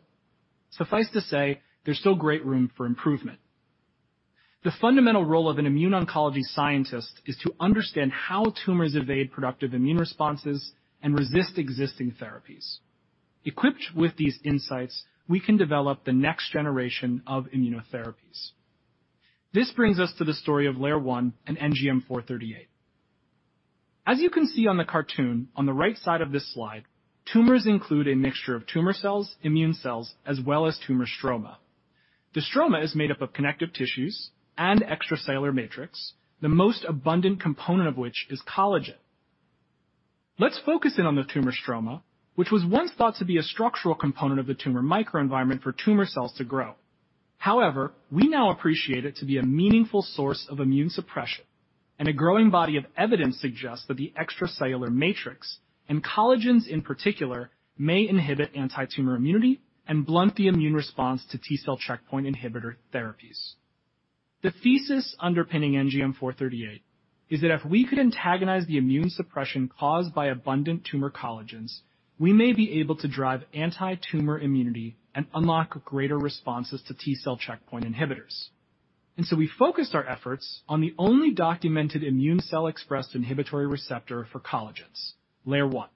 F: Suffice to say, there's still great room for improvement. The fundamental role of an immune oncology scientist is to understand how tumors evade productive immune responses and resist existing therapies. Equipped with these insights, we can develop the next generation of immunotherapies. This brings us to the story of LAIR1 and NGM438. As you can see on the cartoon on the right side of this slide, tumors include a mixture of tumor cells, immune cells, as well as tumor stroma. The stroma is made up of connective tissues and extracellular matrix, the most abundant component of which is collagen. Let's focus in on the tumor stroma, which was once thought to be a structural component of the tumor microenvironment for tumor cells to grow. However, we now appreciate it to be a meaningful source of immune suppression, and a growing body of evidence suggests that the extracellular matrix and collagens in particular, may inhibit antitumor immunity and blunt the immune response to T-cell checkpoint inhibitor therapies. The thesis underpinning NGM438 is that if we could antagonize the immune suppression caused by abundant tumor collagens, we may be able to drive antitumor immunity and unlock greater responses to T-cell checkpoint inhibitors. We focused our efforts on the only documented immune cell expressed inhibitory receptor for collagens, LAIR1,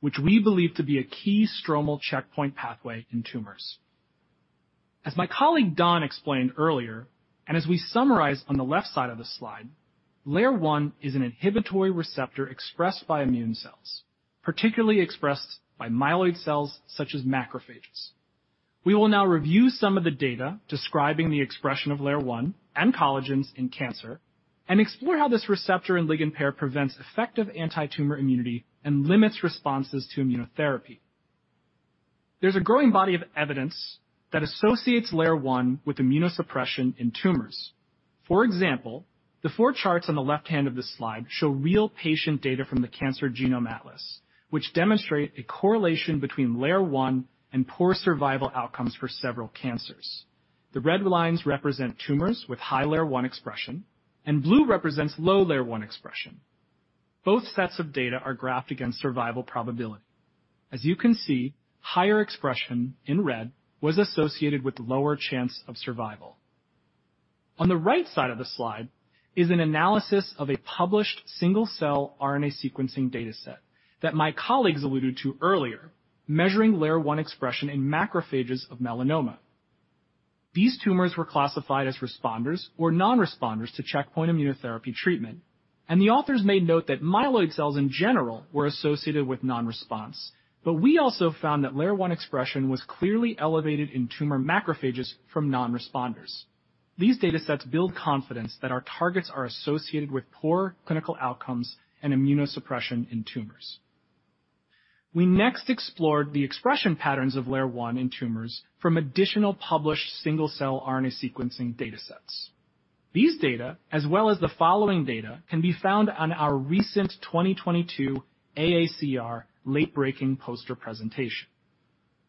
F: which we believe to be a key stromal checkpoint pathway in tumors. As my colleague Don explained earlier, and as we summarize on the left side of this slide, LAIR1 is an inhibitory receptor expressed by immune cells, particularly expressed by myeloid cells such as macrophages. We will now review some of the data describing the expression of LAIR1 and collagens in cancer, and explore how this receptor and ligand pair prevents effective antitumor immunity and limits responses to immunotherapy. There's a growing body of evidence that associates LAIR1 with immunosuppression in tumors. For example, the four charts on the left hand of this slide show real patient data from the Cancer Genome Atlas, which demonstrate a correlation between LAIR1 and poor survival outcomes for several cancers. The red lines represent tumors with high LAIR1 expression, and blue represents low LAIR1 expression. Both sets of data are graphed against survival probability. As you can see, higher expression in red was associated with lower chance of survival. On the right side of this slide is an analysis of a published single-cell RNA sequencing data set that my colleagues alluded to earlier, measuring LAIR1 expression in macrophages of melanoma. These tumors were classified as responders or non-responders to checkpoint immunotherapy treatment, and the authors made note that myeloid cells in general were associated with non-response. We also found that LAIR1 expression was clearly elevated in tumor macrophages from non-responders. These data sets build confidence that our targets are associated with poor clinical outcomes and immunosuppression in tumors. We next explored the expression patterns of LAIR1 in tumors from additional published single-cell RNA sequencing data sets. These data, as well as the following data, can be found on our recent 2022 AACR late-breaking poster presentation.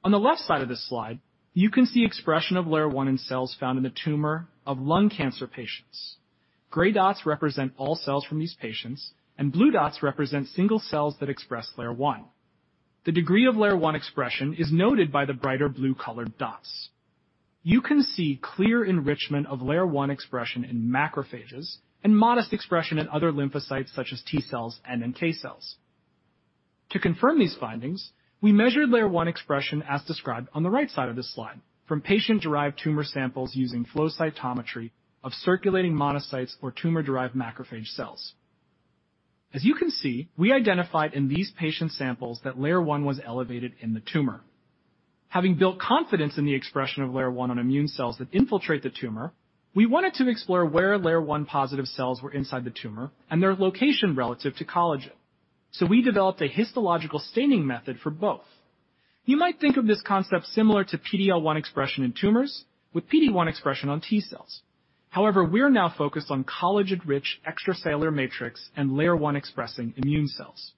F: On the left side of this slide, you can see expression of LAIR1 in cells found in the tumor of lung cancer patients. Gray dots represent all cells from these patients, and blue dots represent single cells that express LAIR1. The degree of LAIR1 expression is noted by the brighter blue-colored dots. You can see clear enrichment of LAIR1 expression in macrophages and modest expression in other lymphocytes such as T cells and NK cells. To confirm these findings, we measured LAIR1 expression as described on the right side of this slide from patient-derived tumor samples using flow cytometry of circulating monocytes or tumor-derived macrophage cells. As you can see, we identified in these patient samples that LAIR1 was elevated in the tumor. Having built confidence in the expression of LAIR1 on immune cells that infiltrate the tumor, we wanted to explore where LAIR1 positive cells were inside the tumor and their location relative to collagen. We developed a histological staining method for both. You might think of this concept similar to PD-L1 expression in tumors with PD-1 expression on T cells. However, we're now focused on collagen-rich extracellular matrix and LAIR1 expressing immune cells.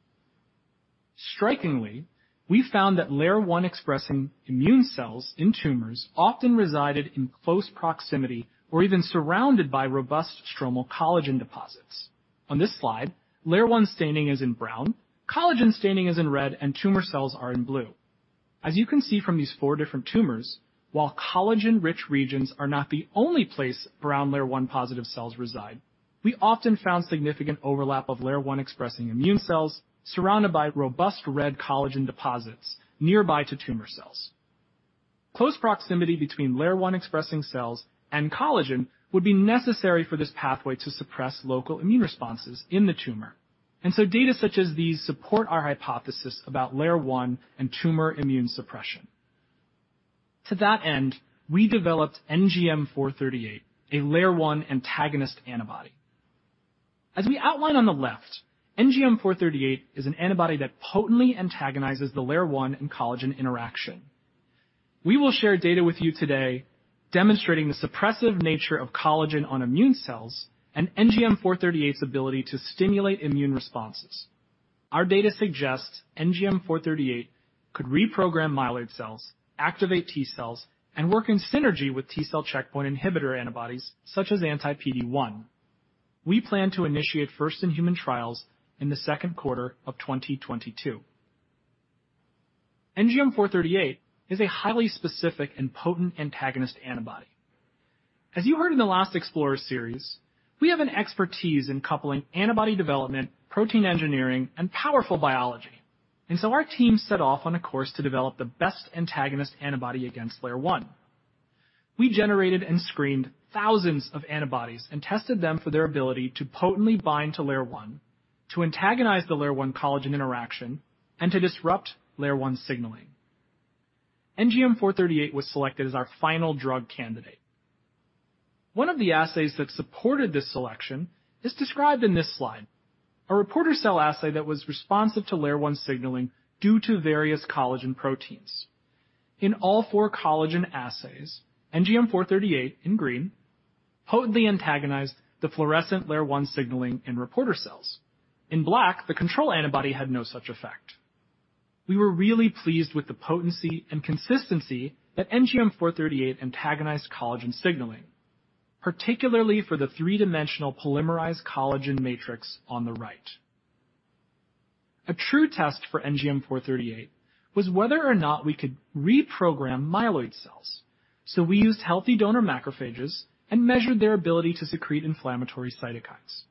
F: Strikingly, we found that LAIR1 expressing immune cells in tumors often resided in close proximity or even surrounded by robust stromal collagen deposits. On this slide, LAIR1 staining is in brown, collagen staining is in red, and tumor cells are in blue. As you can see from these four different tumors, while collagen-rich regions are not the only place brown LAIR1 positive cells reside, we often found significant overlap of LAIR1 expressing immune cells surrounded by robust red collagen deposits nearby to tumor cells. Close proximity between LAIR1 expressing cells and collagen would be necessary for this pathway to suppress local immune responses in the tumor. Data such as these support our hypothesis about LAIR1 and tumor immune suppression. To that end, we developed NGM438, a LAIR1 antagonist antibody. As we outline on the left, NGM438 is an antibody that potently antagonizes the LAIR1 and collagen interaction. We will share data with you today demonstrating the suppressive nature of collagen on immune cells and NGM438's ability to stimulate immune responses. Our data suggests NGM438 could reprogram myeloid cells, activate T cells, and work in synergy with T-cell checkpoint inhibitor antibodies such as anti-PD-1. We plan to initiate first in human trials in the second quarter of 2022. NGM438 is a highly specific and potent antagonist antibody. As you heard in the last Explorer Series, we have an expertise in coupling antibody development, protein engineering, and powerful biology. Our team set off on a course to develop the best antagonist antibody against LAIR1. We generated and screened thousands of antibodies and tested them for their ability to potently bind to LAIR1, to antagonize the LAIR1 collagen interaction, and to disrupt LAIR1 signaling. NGM438 was selected as our final drug candidate. One of the assays that supported this selection is described in this slide. A reporter cell assay that was responsive to LAIR1 signaling due to various collagen proteins. In all four collagen assays, NGM438 in green potently antagonized the fluorescent LAIR1 signaling in reporter cells. In black, the control antibody had no such effect. We were really pleased with the potency and consistency that NGM438 antagonized collagen signaling, particularly for the three-dimensional polymerized collagen matrix on the right. A true test for NGM438 was whether or not we could reprogram myeloid cells. We used healthy donor macrophages and measured their ability to secrete inflammatory cytokines.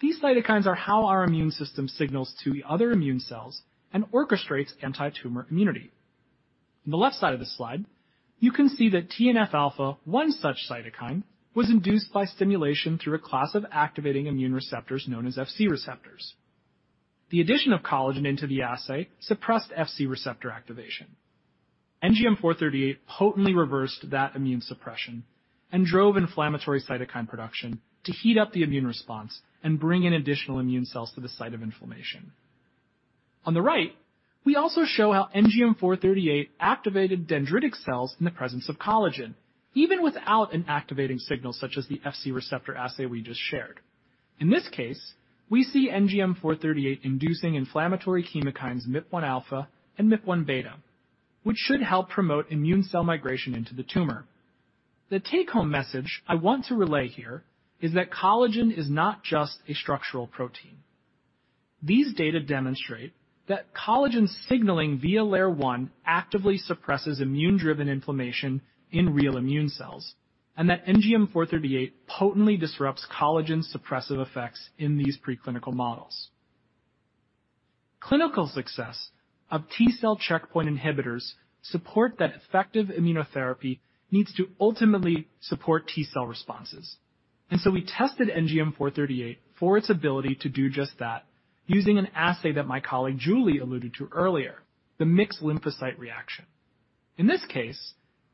F: These cytokines are how our immune system signals to the other immune cells and orchestrates anti-tumor immunity. On the left side of the slide, you can see that TNF-alpha, one such cytokine, was induced by stimulation through a class of activating immune receptors known as Fc receptors. The addition of collagen into the assay suppressed Fc receptor activation. NGM438 potently reversed that immune suppression and drove inflammatory cytokine production to heat up the immune response and bring in additional immune cells to the site of inflammation. On the right, we also show how NGM438 activated dendritic cells in the presence of collagen, even without an activating signal such as the Fc receptor assay we just shared. In this case, we see NGM438 inducing inflammatory chemokines MIP-1 alpha and MIP-1 beta, which should help promote immune cell migration into the tumor. The take-home message I want to relay here is that collagen is not just a structural protein. These data demonstrate that collagen signaling via LAIR1 actively suppresses immune-driven inflammation in real immune cells, and that NGM438 potently disrupts collagen's suppressive effects in these pre-clinical models. Clinical success of T-cell checkpoint inhibitors support that effective immunotherapy needs to ultimately support T cell responses. We tested NGM438 for its ability to do just that, using an assay that my colleague Julie alluded to earlier, the mixed lymphocyte reaction. In this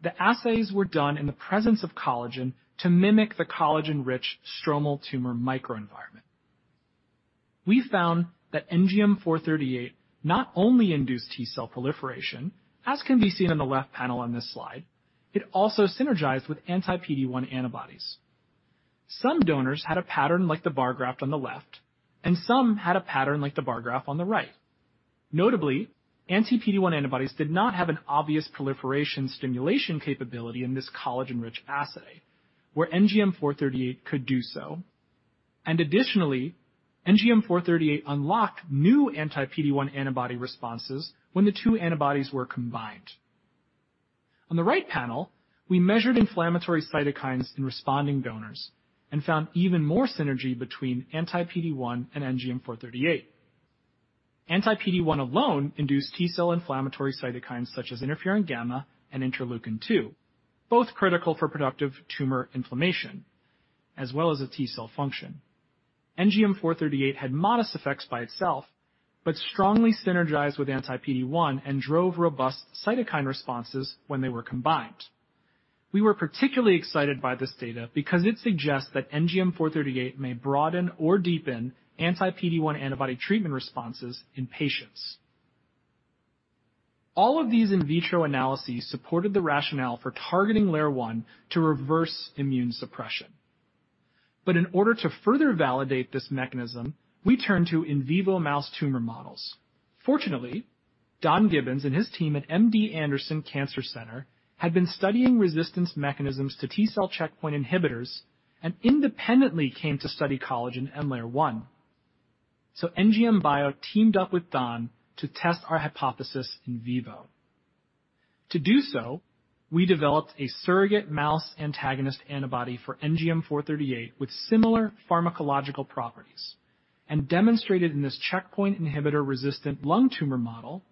F: case, the assays were done in the presence of collagen to mimic the collagen-rich stromal tumor microenvironment. We found that NGM438 not only induced T-cell proliferation, as can be seen in the left panel on this slide, it also synergized with anti-PD-1 antibodies. Some donors had a pattern like the bar graph on the left, and some had a pattern like the bar graph on the right. Notably, anti-PD-1 antibodies did not have an obvious proliferation stimulation capability in this collagen-rich assay, where NGM438 could do so. Additionally, NGM438 unlocked new anti-PD-1 antibody responses when the two antibodies were combined. On the right panel, we measured inflammatory cytokines in responding donors and found even more synergy between anti-PD-1 and NGM438. Anti-PD-1 alone induced T-cell inflammatory cytokines such as interferon gamma and interleukin 2, both critical for productive tumor inflammation as well as a T-cell function. NGM438 had modest effects by itself, but strongly synergized with anti-PD-1 and drove robust cytokine responses when they were combined. We were particularly excited by this data because it suggests that NGM438 may broaden or deepen anti-PD-1 antibody treatment responses in patients. All of these in vitro analyses supported the rationale for targeting LAIR1 to reverse immune suppression. In order to further validate this mechanism, we turn to in vivo mouse tumor models. Fortunately, Don Gibbons and his team at MD Anderson Cancer Center had been studying resistance mechanisms to T-cell checkpoint inhibitors and independently came to study collagen and LAIR-1. NGM Bio teamed up with Don to test our hypothesis in vivo. To do so, we developed a surrogate mouse antagonist antibody for NGM438 with similar pharmacological properties and demonstrated in this checkpoint inhibitor-resistant lung tumor model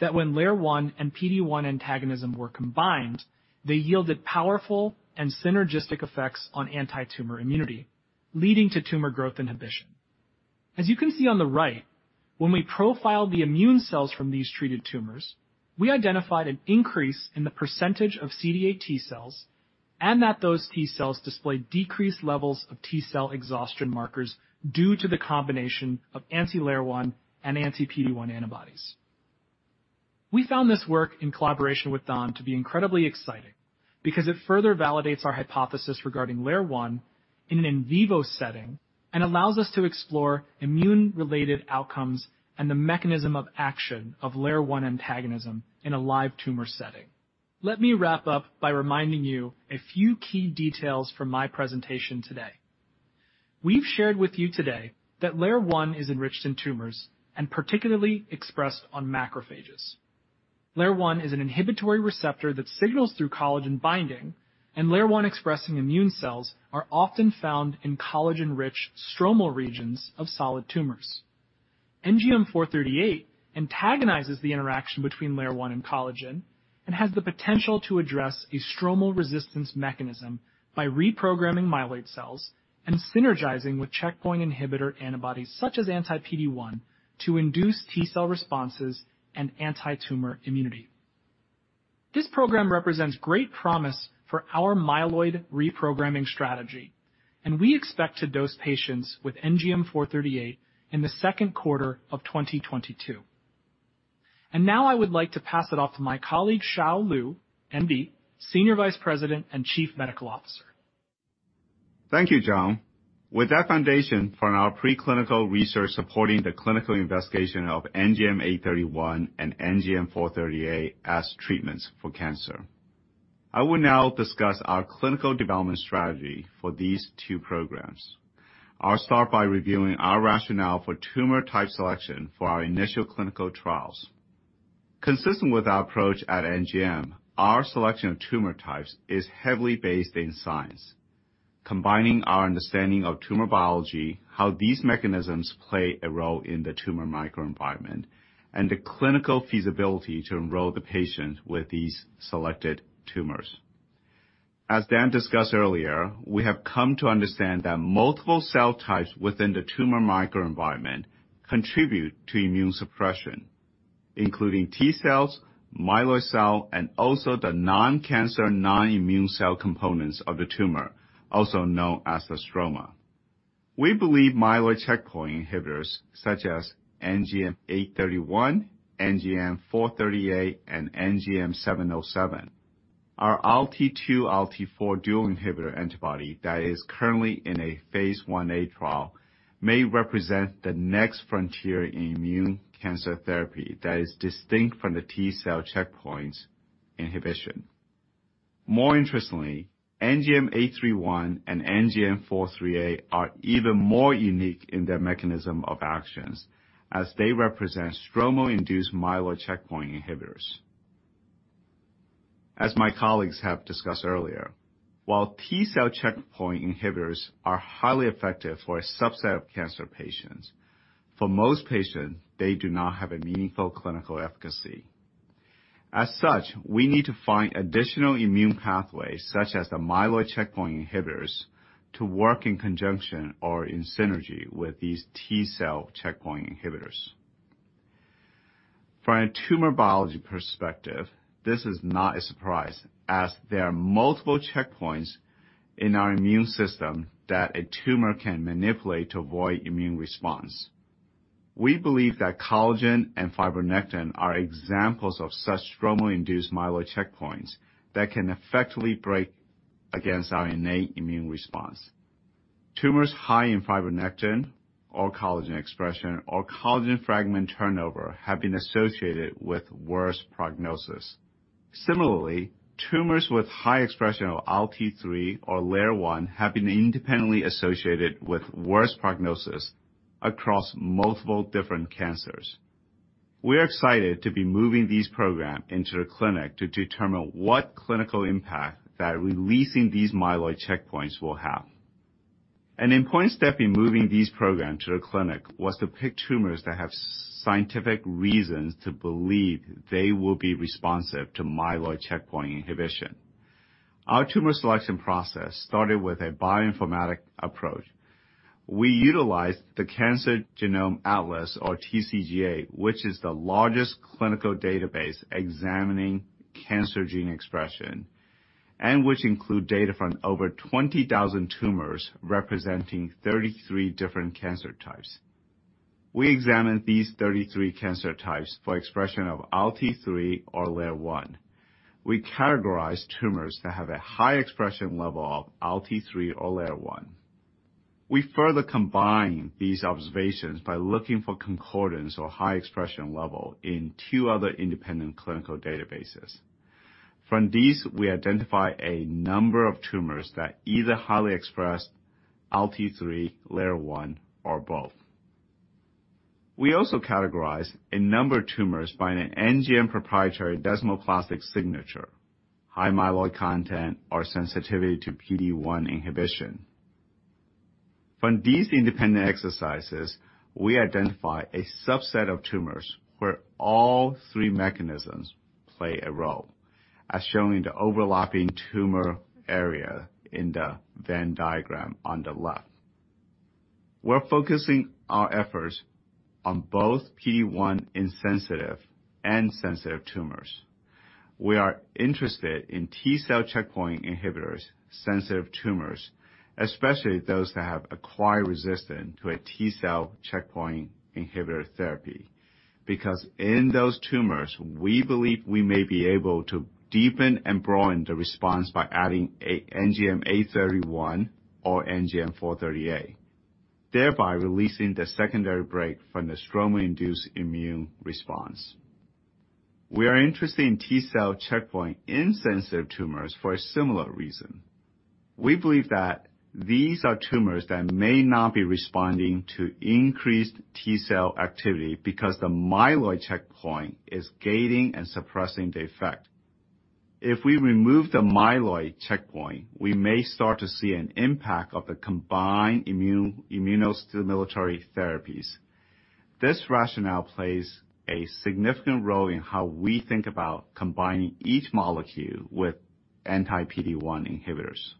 F: that when LAIR-1 and PD-1 antagonism were combined, they yielded powerful and synergistic effects on antitumor immunity, leading to tumor growth inhibition. As you can see on the right, when we profiled the immune cells from these treated tumors, we identified an increase in the percentage of CD8 T-cells, and that those T-cells displayed decreased levels of T-cell exhaustion markers due to the combination of anti-LAIR1 and anti-PD-1 antibodies. We found this work in collaboration with Don to be incredibly exciting because it further validates our hypothesis regarding LAIR1 in an in vivo setting and allows us to explore immune-related outcomes and the mechanism of action of LAIR1 antagonism in a live tumor setting. Let me wrap up by reminding you a few key details from my presentation today. We've shared with you today that LAIR1 is enriched in tumors and particularly expressed on macrophages. LAIR1 is an inhibitory receptor that signals through collagen binding, and LAIR1 expressing immune cells are often found in collagen-rich stromal regions of solid tumors. NGM438 antagonizes the interaction between LAIR1 and collagen and has the potential to address a stromal resistance mechanism by reprogramming myeloid cells and synergizing with checkpoint inhibitor antibodies such as anti-PD-1 to induce T-cell responses and antitumor immunity. This program represents great promise for our myeloid reprogramming strategy, and we expect to dose patients with NGM438 in the second quarter of 2022. Now I would like to pass it off to my colleague, Hsiao D. Lieu, MD, Senior Vice President and Chief Medical Officer.
G: Thank you, Jon. With that foundation from our preclinical research supporting the clinical investigation of NGM831 and NGM438 as treatments for cancer, I will now discuss our clinical development strategy for these two programs. I'll start by reviewing our rationale for tumor type selection for our initial clinical trials. Consistent with our approach at NGM, our selection of tumor types is heavily based in science, combining our understanding of tumor biology, how these mechanisms play a role in the tumor microenvironment, and the clinical feasibility to enroll the patient with these selected tumors. As Dan discussed earlier, we have come to understand that multiple cell types within the tumor microenvironment contribute to immune suppression, including T-cells, myeloid cell, and also the non-cancer, non-immune cell components of the tumor, also known as the stroma. We believe myeloid checkpoint inhibitors such as NGM831, NGM438, and NGM707, our ILT2, ILT4 dual inhibitor antibody that is currently in a phase Ia trial, may represent the next frontier in immune cancer therapy that is distinct from the T-cell checkpoint inhibition. More interestingly, NGM831 and NGM438 are even more unique in their mechanism of actions as they represent stromal-induced myeloid checkpoint inhibitors. As my colleagues have discussed earlier, while T-cell checkpoint inhibitors are highly effective for a subset of cancer patients, for most patients, they do not have a meaningful clinical efficacy. As such, we need to find additional immune pathways, such as the myeloid checkpoint inhibitors, to work in conjunction or in synergy with these T-cell checkpoint inhibitors. From a tumor biology perspective, this is not a surprise, as there are multiple checkpoints in our immune system that a tumor can manipulate to avoid immune response. We believe that collagen and fibronectin are examples of such stromal-induced myeloid checkpoints that can effectively break against our innate immune response. Tumors high in fibronectin or collagen expression or collagen fragment turnover have been associated with worse prognosis. Similarly, tumors with high expression of ILT3 or LAIR1 have been independently associated with worse prognosis across multiple different cancers. We are excited to be moving this program into the clinic to determine what clinical impact that releasing these myeloid checkpoints will have. An important step in moving this program to the clinic was to pick tumors that have scientific reasons to believe they will be responsive to myeloid checkpoint inhibition. Our tumor selection process started with a bioinformatic approach. We utilized the Cancer Genome Atlas, or TCGA, which is the largest clinical database examining cancer gene expression and which include data from over 20,000 tumors representing 33 different cancer types. We examined these 33 cancer types for expression of ILT3 or LAIR1. We categorized tumors that have a high expression level of ILT3 or LAIR1. We further combined these observations by looking for concordance or high expression level in two other independent clinical databases. From these, we identify a number of tumors that either highly expressed ILT3, LAIR1, or both. We also categorized a number of tumors by an NGM proprietary desmoplastic signature, high myeloid content, or sensitivity to PD-1 inhibition. From these independent exercises, we identify a subset of tumors where all three mechanisms play a role, as shown in the overlapping tumor area in the Venn diagram on the left. We're focusing our efforts on both PD-1 insensitive and sensitive tumors. We are interested in T-cell checkpoint inhibitor-sensitive tumors, especially those that have acquired resistance to a T-cell checkpoint inhibitor therapy, because in those tumors, we believe we may be able to deepen and broaden the response by adding a NGM831 or NGM438, thereby releasing the secondary break from the stromal-induced immune response. We are interested in T-cell checkpoint insensitive tumors for a similar reason. We believe that these are tumors that may not be responding to increased T-cell activity because the myeloid checkpoint is gating and suppressing the effect. If we remove the myeloid checkpoint, we may start to see an impact of the combined immuno-immunostimulatory therapies. This rationale plays a significant role in how we think about combining each molecule with anti-PD-1 inhibitors.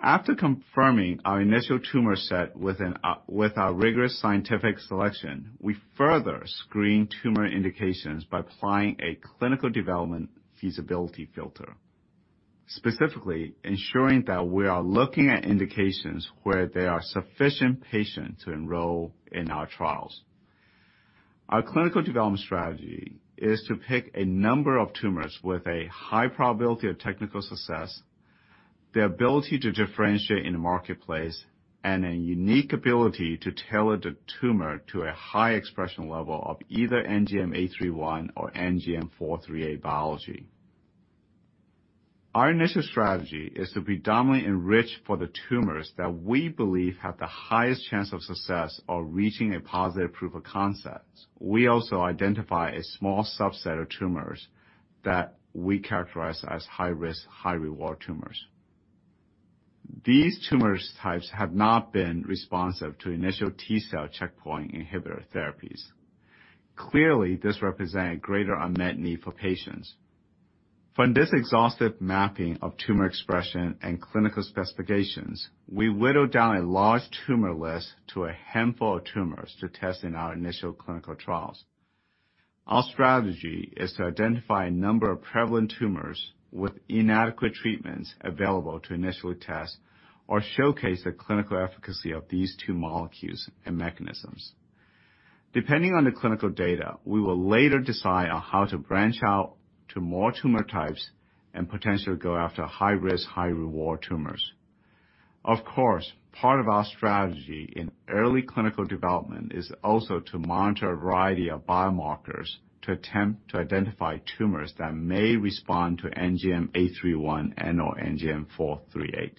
G: After confirming our initial tumor set with our rigorous scientific selection, we further screen tumor indications by applying a clinical development feasibility filter, specifically ensuring that we are looking at indications where there are sufficient patients to enroll in our trials. Our clinical development strategy is to pick a number of tumors with a high probability of technical success, the ability to differentiate in the marketplace, and a unique ability to tailor the tumor to a high expression level of either NGM831 or NGM438 biology. Our initial strategy is to predominantly enrich for the tumors that we believe have the highest chance of success of reaching a positive proof of concept. We also identify a small subset of tumors that we characterize as high-risk, high-reward tumors. These tumor types have not been responsive to initial T-cell checkpoint inhibitor therapies. Clearly, this represent a greater unmet need for patients. From this exhaustive mapping of tumor expression and clinical specifications, we whittled down a large tumor list to a handful of tumors to test in our initial clinical trials. Our strategy is to identify a number of prevalent tumors with inadequate treatments available to initially test or showcase the clinical efficacy of these two molecules and mechanisms. Depending on the clinical data, we will later decide on how to branch out to more tumor types and potentially go after high-risk, high-reward tumors. Of course, part of our strategy in early clinical development is also to monitor a variety of biomarkers to attempt to identify tumors that may respond to NGM831 and/or NGM438.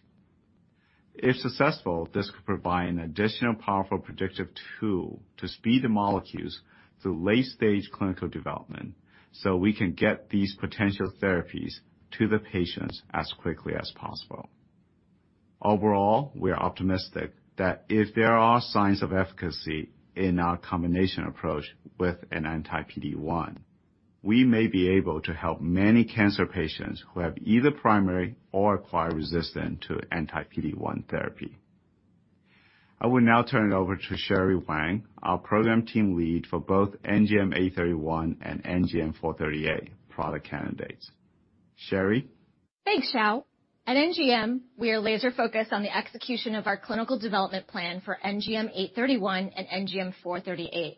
G: If successful, this could provide an additional powerful predictive tool to speed the molecules through late-stage clinical development, so we can get these potential therapies to the patients as quickly as possible. Overall, we are optimistic that if there are signs of efficacy in our combination approach with an anti-PD-1, we may be able to help many cancer patients who have either primary or acquired resistance to anti-PD-1 therapy. I will now turn it over to Sherry Wang, our program team lead for both NGM831 and NGM438 product candidates.
B: Sherry?
H: Thanks, Hsiao. At NGM, we are laser focused on the execution of our clinical development plan for NGM831 and NGM438.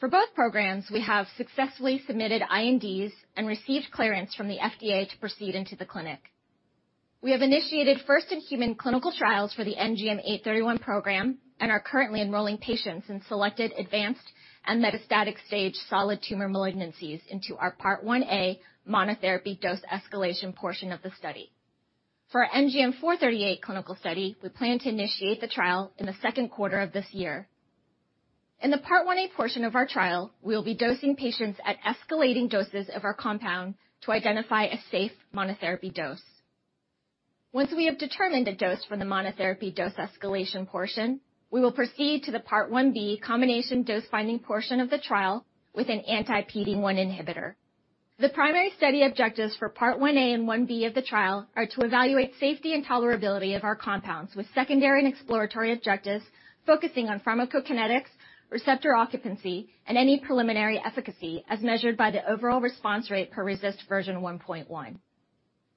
H: For both programs, we have successfully submitted INDs and received clearance from the FDA to proceed into the clinic. We have initiated first-in-human clinical trials for the NGM831 program and are currently enrolling patients in selected advanced and metastatic stage solid tumor malignancies into our Part 1A monotherapy dose escalation portion of the study. For our NGM438 clinical study, we plan to initiate the trial in the second quarter of this year. In the Part 1A portion of our trial, we will be dosing patients at escalating doses of our compound to identify a safe monotherapy dose. Once we have determined a dose for the monotherapy dose escalation portion, we will proceed to the Part 1B combination dose finding portion of the trial with an anti-PD-1 inhibitor. The primary study objectives for Part 1A and 1B of the trial are to evaluate safety and tolerability of our compounds with secondary and exploratory objectives focusing on pharmacokinetics, receptor occupancy, and any preliminary efficacy as measured by the overall response rate per RECIST v1.1.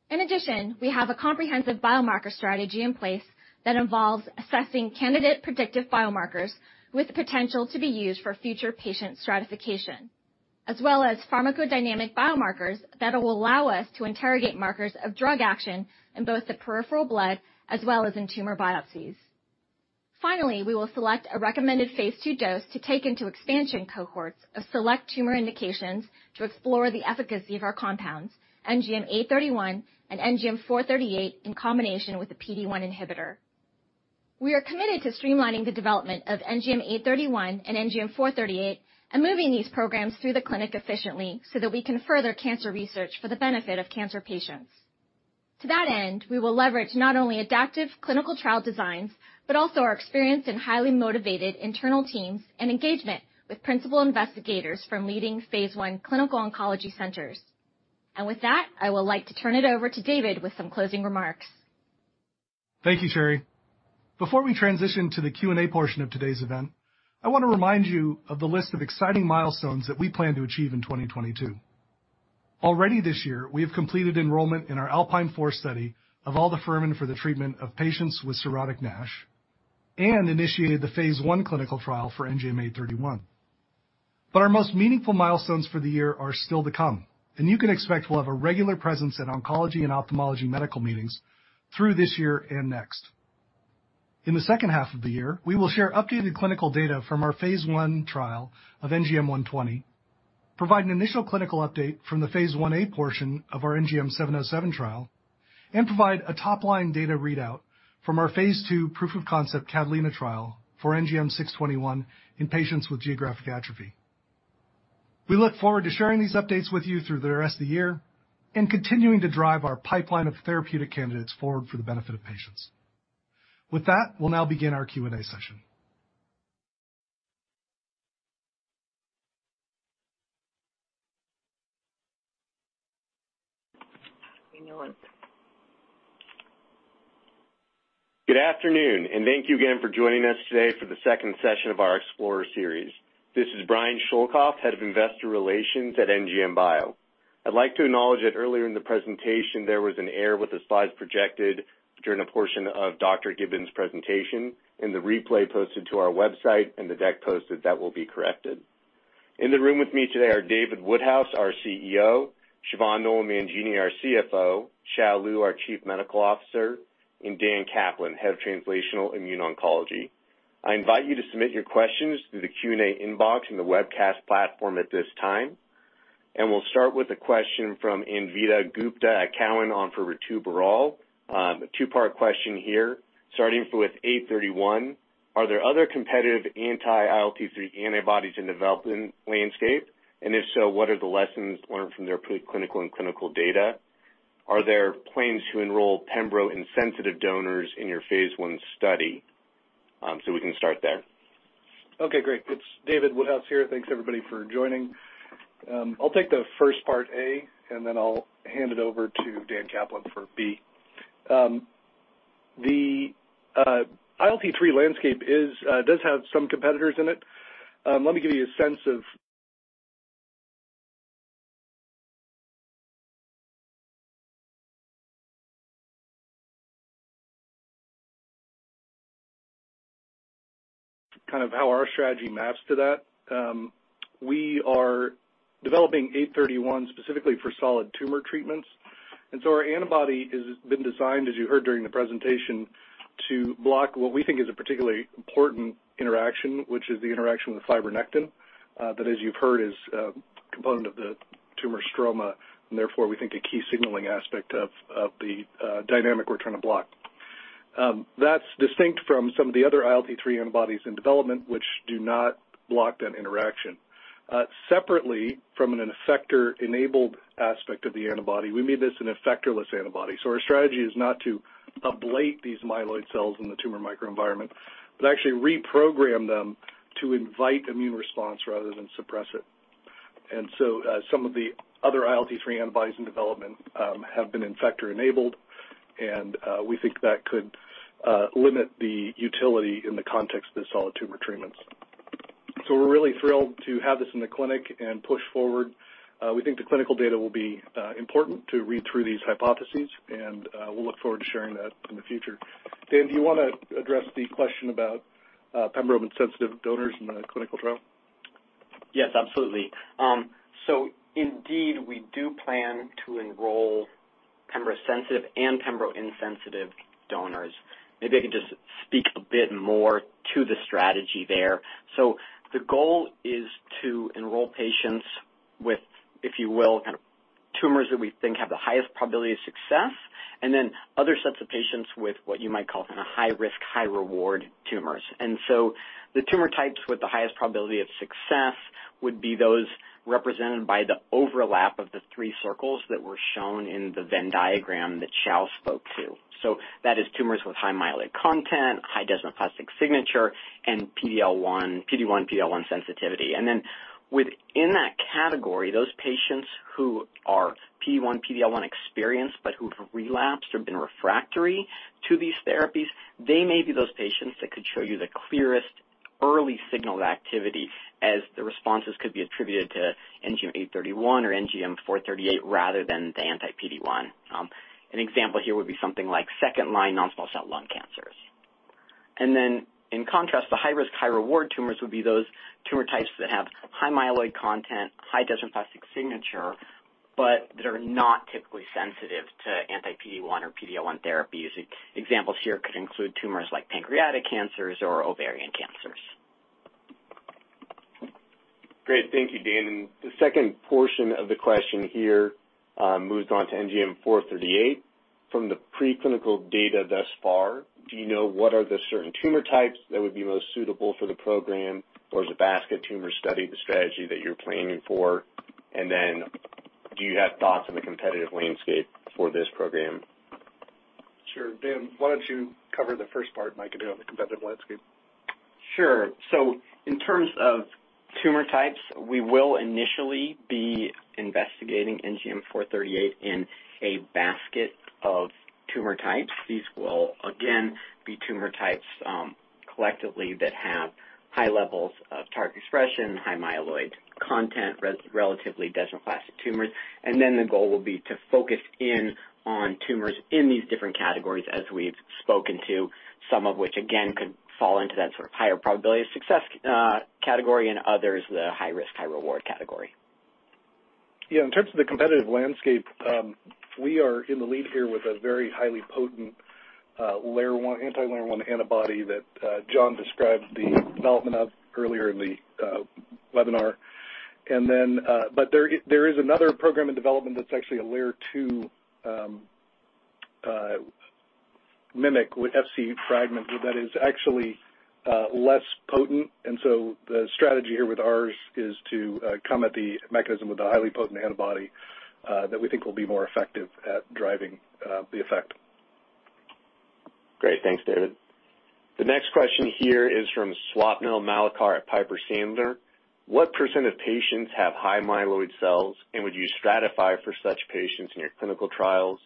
H: In addition, we have a comprehensive biomarker strategy in place that involves assessing candidate predictive biomarkers with potential to be used for future patient stratification, as well as pharmacodynamic biomarkers that will allow us to interrogate markers of drug action in both the peripheral blood as well as in tumor biopsies. Finally, we will select a recommended phase II dose to take into expansion cohorts of select tumor indications to explore the efficacy of our compounds, NGM831 and NGM438, in combination with a PD-1 inhibitor. We are committed to streamlining the development of NGM831 and NGM438 and moving these programs through the clinic efficiently so that we can further cancer research for the benefit of cancer patients. To that end, we will leverage not only adaptive clinical trial designs, but also our experienced and highly motivated internal teams and engagement with principal investigators from leading phase I clinical oncology centers. With that, I would like to turn it over to David with some closing remarks.
B: Thank you, Sherry. Before we transition to the Q&A portion of today's event, I want to remind you of the list of exciting milestones that we plan to achieve in 2022. Already this year, we have completed enrollment in our ALPINE 4 study of aldafermin for the treatment of patients with cirrhotic NASH and initiated the phase I clinical trial for NGM-831. Our most meaningful milestones for the year are still to come, and you can expect we'll have a regular presence at oncology and ophthalmology medical meetings through this year and next. In the second half of the year, we will share updated clinical data from our phase I trial of NGM-120, provide an initial clinical update from the phase Ia portion of our NGM-707 trial, and provide a top-line data readout from our phase II proof-of-concept CATALINA trial for NGM-621 in patients with geographic atrophy. We look forward to sharing these updates with you through the rest of the year and continuing to drive our pipeline of therapeutic candidates forward for the benefit of patients. With that, we'll now begin our Q&A session.
A: Good afternoon, and thank you again for joining us today for the second session of our Explorer series. This is Brian Schoelkopf, Head of Investor Relations at NGM Bio. I'd like to acknowledge that earlier in the presentation, there was an error with the slides projected during a portion of Dr. Gibbons' presentation. In the replay posted to our website and the deck posted, that will be corrected. In the room with me today are David Woodhouse, our CEO; Siobhan Nolan Mangini, our CFO; Hsiao Lieu, our Chief Medical Officer; and Daniel Kaplan, Head of Translational Immune Oncology. I invite you to submit your questions through the Q&A inbox in the webcast platform at this time, and we'll start with a question from Anvita Gupta at Cowen on for Ritu Baral. A two-part question here. Starting with NGM831, are there other competitive anti-ILT3 antibodies in development landscape? If so, what are the lessons learned from their preclinical and clinical data? Are there plans to enroll pembro-insensitive donors in your phase I study? We can start there.
B: Okay, great. It's David Woodhouse here. Thanks everybody for joining. I'll take the first part A, and then I'll hand it over to Daniel Kaplan for B. The ILT3 landscape does have some competitors in it. Let me give you a sense of kind of how our strategy maps to that. We are developing NGM831 specifically for solid tumor treatments. Our antibody has been designed, as you heard during the presentation, to block what we think is a particularly important interaction, which is the interaction with fibronectin that as you've heard is a component of the tumor stroma, and therefore we think a key signaling aspect of the dynamic we're trying to block. That's distinct from some of the other ILT3 antibodies in development, which do not block that interaction. Separately, from an effector-enabled aspect of the antibody, we made this an effectorless antibody. Our strategy is not to ablate these myeloid cells in the tumor microenvironment, but actually reprogram them to invite immune response rather than suppress it. Some of the other ILT3 antibodies in development have been effector enabled, and we think that could limit the utility in the context of the solid tumor treatments. We're really thrilled to have this in the clinic and push forward. We think the clinical data will be important to read through these hypotheses, and we'll look forward to sharing that in the future. Dan, do you wanna address the question about pembrolizumab-insensitive donors in the clinical trial?
C: Yes, absolutely. Indeed, we do plan to enroll pembrolizumab-sensitive and pembrolizumab-insensitive donors. Maybe I could just speak a bit more to the strategy there. The goal is to enroll patients with, if you will, kind of tumors that we think have the highest probability of success, and then other sets of patients with what you might call kind of high risk, high reward tumors. The tumor types with the highest probability of success would be those represented by the overlap of the three circles that were shown in the Venn diagram that Hsiao spoke to. That is tumors with high myeloid content, high desmoplastic signature, and PD-1, PD-L1 sensitivity. Within that category, those patients who are PD-1/PD-L1 experienced but who have relapsed or been refractory to these therapies, they may be those patients that could show you the clearest early signal of activity as the responses could be attributed to NGM831 or NGM438 rather than the anti-PD-1. An example here would be something like second line non-small cell lung cancers. In contrast, the high risk, high reward tumors would be those tumor types that have high myeloid content, high desmoplastic signature, but that are not typically sensitive to anti-PD-1 or PD-L1 therapies. Examples here could include tumors like pancreatic cancers or ovarian cancers.
A: Great. Thank you, Dan. The second portion of the question here moves on to NGM438. From the preclinical data thus far, do you know what are the certain tumor types that would be most suitable for the program, or is a basket tumor study the strategy that you're planning for? And then do you have thoughts on the competitive landscape for this program?
B: Sure. Dan, why don't you cover the first part, and I could do on the competitive landscape.
C: Sure. In terms of tumor types, we will initially be investigating NGM438 in a basket of tumor types. These will again be tumor types collectively that have high levels of target expression, high myeloid content, relatively desmoplastic tumors. Then the goal will be to focus in on tumors in these different categories as we've spoken to, some of which again could fall into that sort of higher probability of success category and others, the high-risk, high-reward category.
B: Yeah. In terms of the competitive landscape, we are in the lead here with a very highly potent LAIR1 anti-LAIR1 antibody that Jon described the development of earlier in the webinar. But there is another program in development that's actually a LAIR2 mimic with Fc fragment that is actually less potent. The strategy here with ours is to come at the mechanism with a highly potent antibody that we think will be more effective at driving the effect.
A: Great. Thanks, David. The next question here is from Swapnil Malekar at Piper Sandler. What % of patients have high myeloid cells, and would you stratify for such patients in your clinical trials?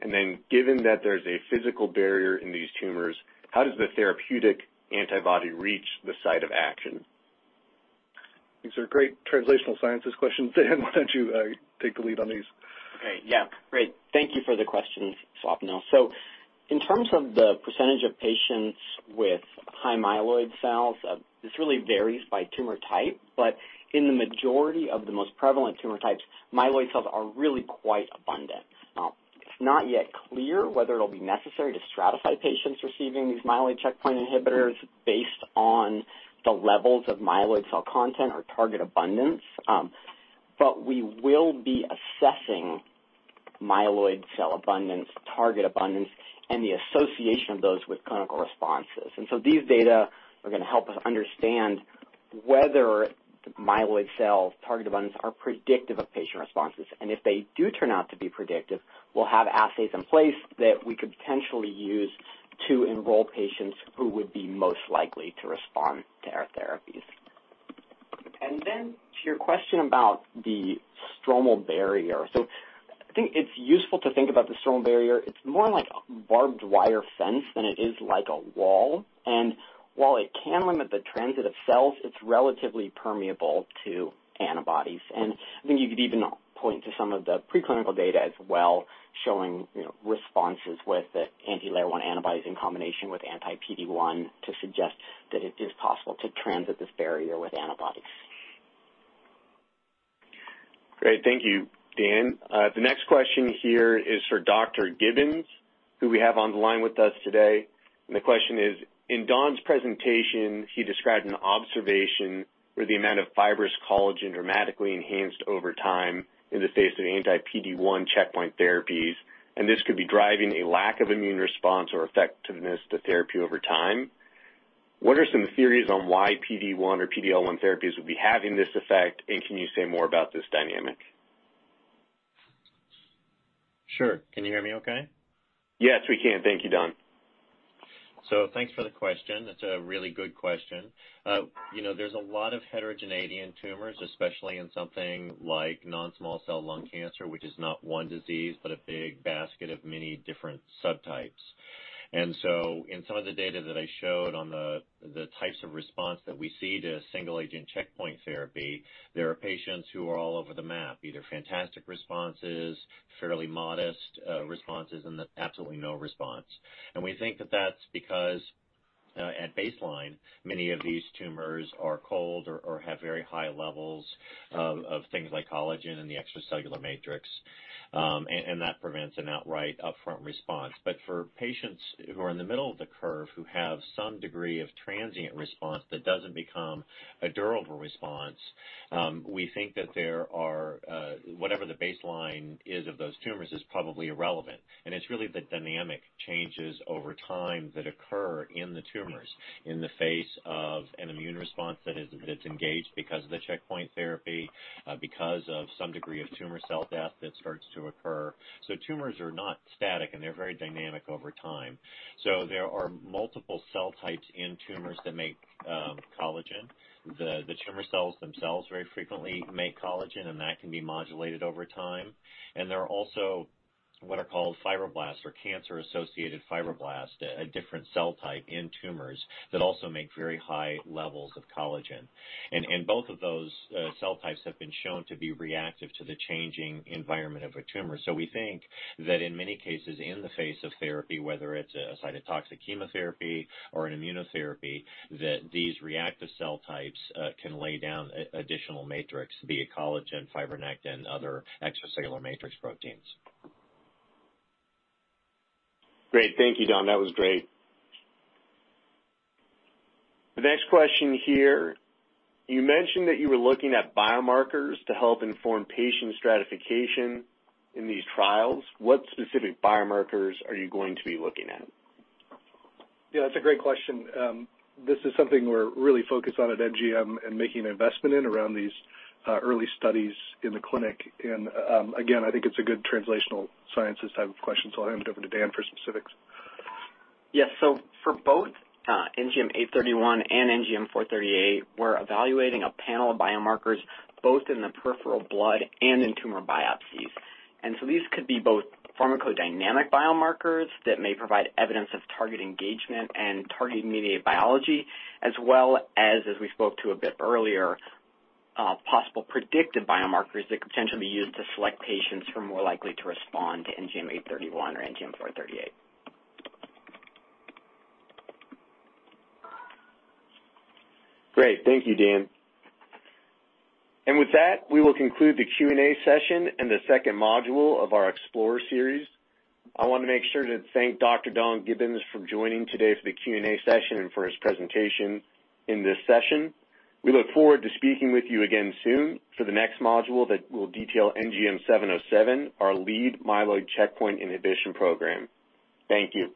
A: And then given that there's a physical barrier in these tumors, how does the therapeutic antibody reach the site of action?
B: These are great translational sciences questions. Dan, why don't you take the lead on these?
C: Okay. Yeah. Great. Thank you for the question, Swapnil. In terms of the percentage of patients with high myeloid cells, this really varies by tumor type, but in the majority of the most prevalent tumor types, myeloid cells are really quite abundant. Now, it's not yet clear whether it'll be necessary to stratify patients receiving these myeloid checkpoint inhibitors based on the levels of myeloid cell content or target abundance, but we will be assessing myeloid cell abundance, target abundance, and the association of those with clinical responses. These data are gonna help us understand whether myeloid cells, target abundance are predictive of patient responses. If they do turn out to be predictive, we'll have assays in place that we could potentially use to enroll patients who would be most likely to respond to our therapies. To your question about the stromal barrier. I think it's useful to think about the stromal barrier. It's more like a barbed wire fence than it is like a wall. While it can limit the transit of cells, it's relatively permeable to antibodies. I think you could even point to some of the preclinical data as well showing, you know, responses with the anti-LAIR1 antibodies in combination with anti-PD-1 to suggest that it is possible to transit this barrier with antibodies.
A: Great. Thank you, Dan. The next question here is for Dr. Gibbons, who we have on the line with us today. The question is, in Don's presentation, he described an observation where the amount of fibrous collagen dramatically enhanced over time in the face of anti-PD-1 checkpoint therapies, and this could be driving a lack of immune response or effectiveness to therapy over time. What are some theories on why PD-1 or PD-L1 therapies would be having this effect, and can you say more about this dynamic?
E: Sure. Can you hear me okay?
A: Yes, we can. Thank you, Don.
E: Thanks for the question. That's a really good question. You know, there's a lot of heterogeneity in tumors, especially in something like non-small cell lung cancer, which is not one disease, but a big basket of many different subtypes. In some of the data that I showed on the types of response that we see to single agent checkpoint therapy, there are patients who are all over the map, either fantastic responses, fairly modest responses, and then absolutely no response. We think that that's because at baseline, many of these tumors are cold or have very high-levels of things like collagen and the extracellular matrix, and that prevents an outright upfront response. For patients who are in the middle of the curve who have some degree of transient response that doesn't become a durable response, we think that there are, whatever the baseline is of those tumors is probably irrelevant, and it's really the dynamic changes over time that occur in the tumors in the face of an immune response that's engaged because of the checkpoint therapy, because of some degree of tumor cell death that starts to occur. Tumors are not static, and they're very dynamic over time. There are multiple cell types in tumors that make collagen. The tumor cells themselves very frequently make collagen, and that can be modulated over time, and there are also what are called fibroblasts or cancer-associated fibroblasts, a different cell type in tumors that also make very high levels of collagen. Both of those cell types have been shown to be reactive to the changing environment of a tumor. We think that in many cases, in the face of therapy, whether it's a cytotoxic chemotherapy or an immunotherapy, that these reactive cell types can lay down additional matrix, be it collagen, fibronectin, other extracellular matrix proteins.
A: Great. Thank you, Don. That was great. The next question here, you mentioned that you were looking at biomarkers to help inform patient stratification in these trials. What specific biomarkers are you going to be looking at?
B: Yeah, that's a great question. This is something we're really focused on at NGM and making an investment in around these early studies in the clinic. Again, I think it's a good translational sciences type of question, so I'll hand it over to Dan for specifics.
C: Yes. For both NGM831 and NGM438, we're evaluating a panel of biomarkers both in the peripheral blood and in tumor biopsies. These could be both pharmacodynamic biomarkers that may provide evidence of target engagement and target-mediated biology, as well as we spoke to a bit earlier, possible predictive biomarkers that could potentially be used to select patients who are more likely to respond to NGM831 or NGM438.
A: Great. Thank you, Dan. With that, we will conclude the Q&A session and the second module of our Explorer Series. I wanna make sure to thank Dr. Don Gibbons for joining today for the Q&A session and for his presentation in this session. We look forward to speaking with you again soon for the next module that will detail NGM707, our lead myeloid checkpoint inhibition program. Thank you.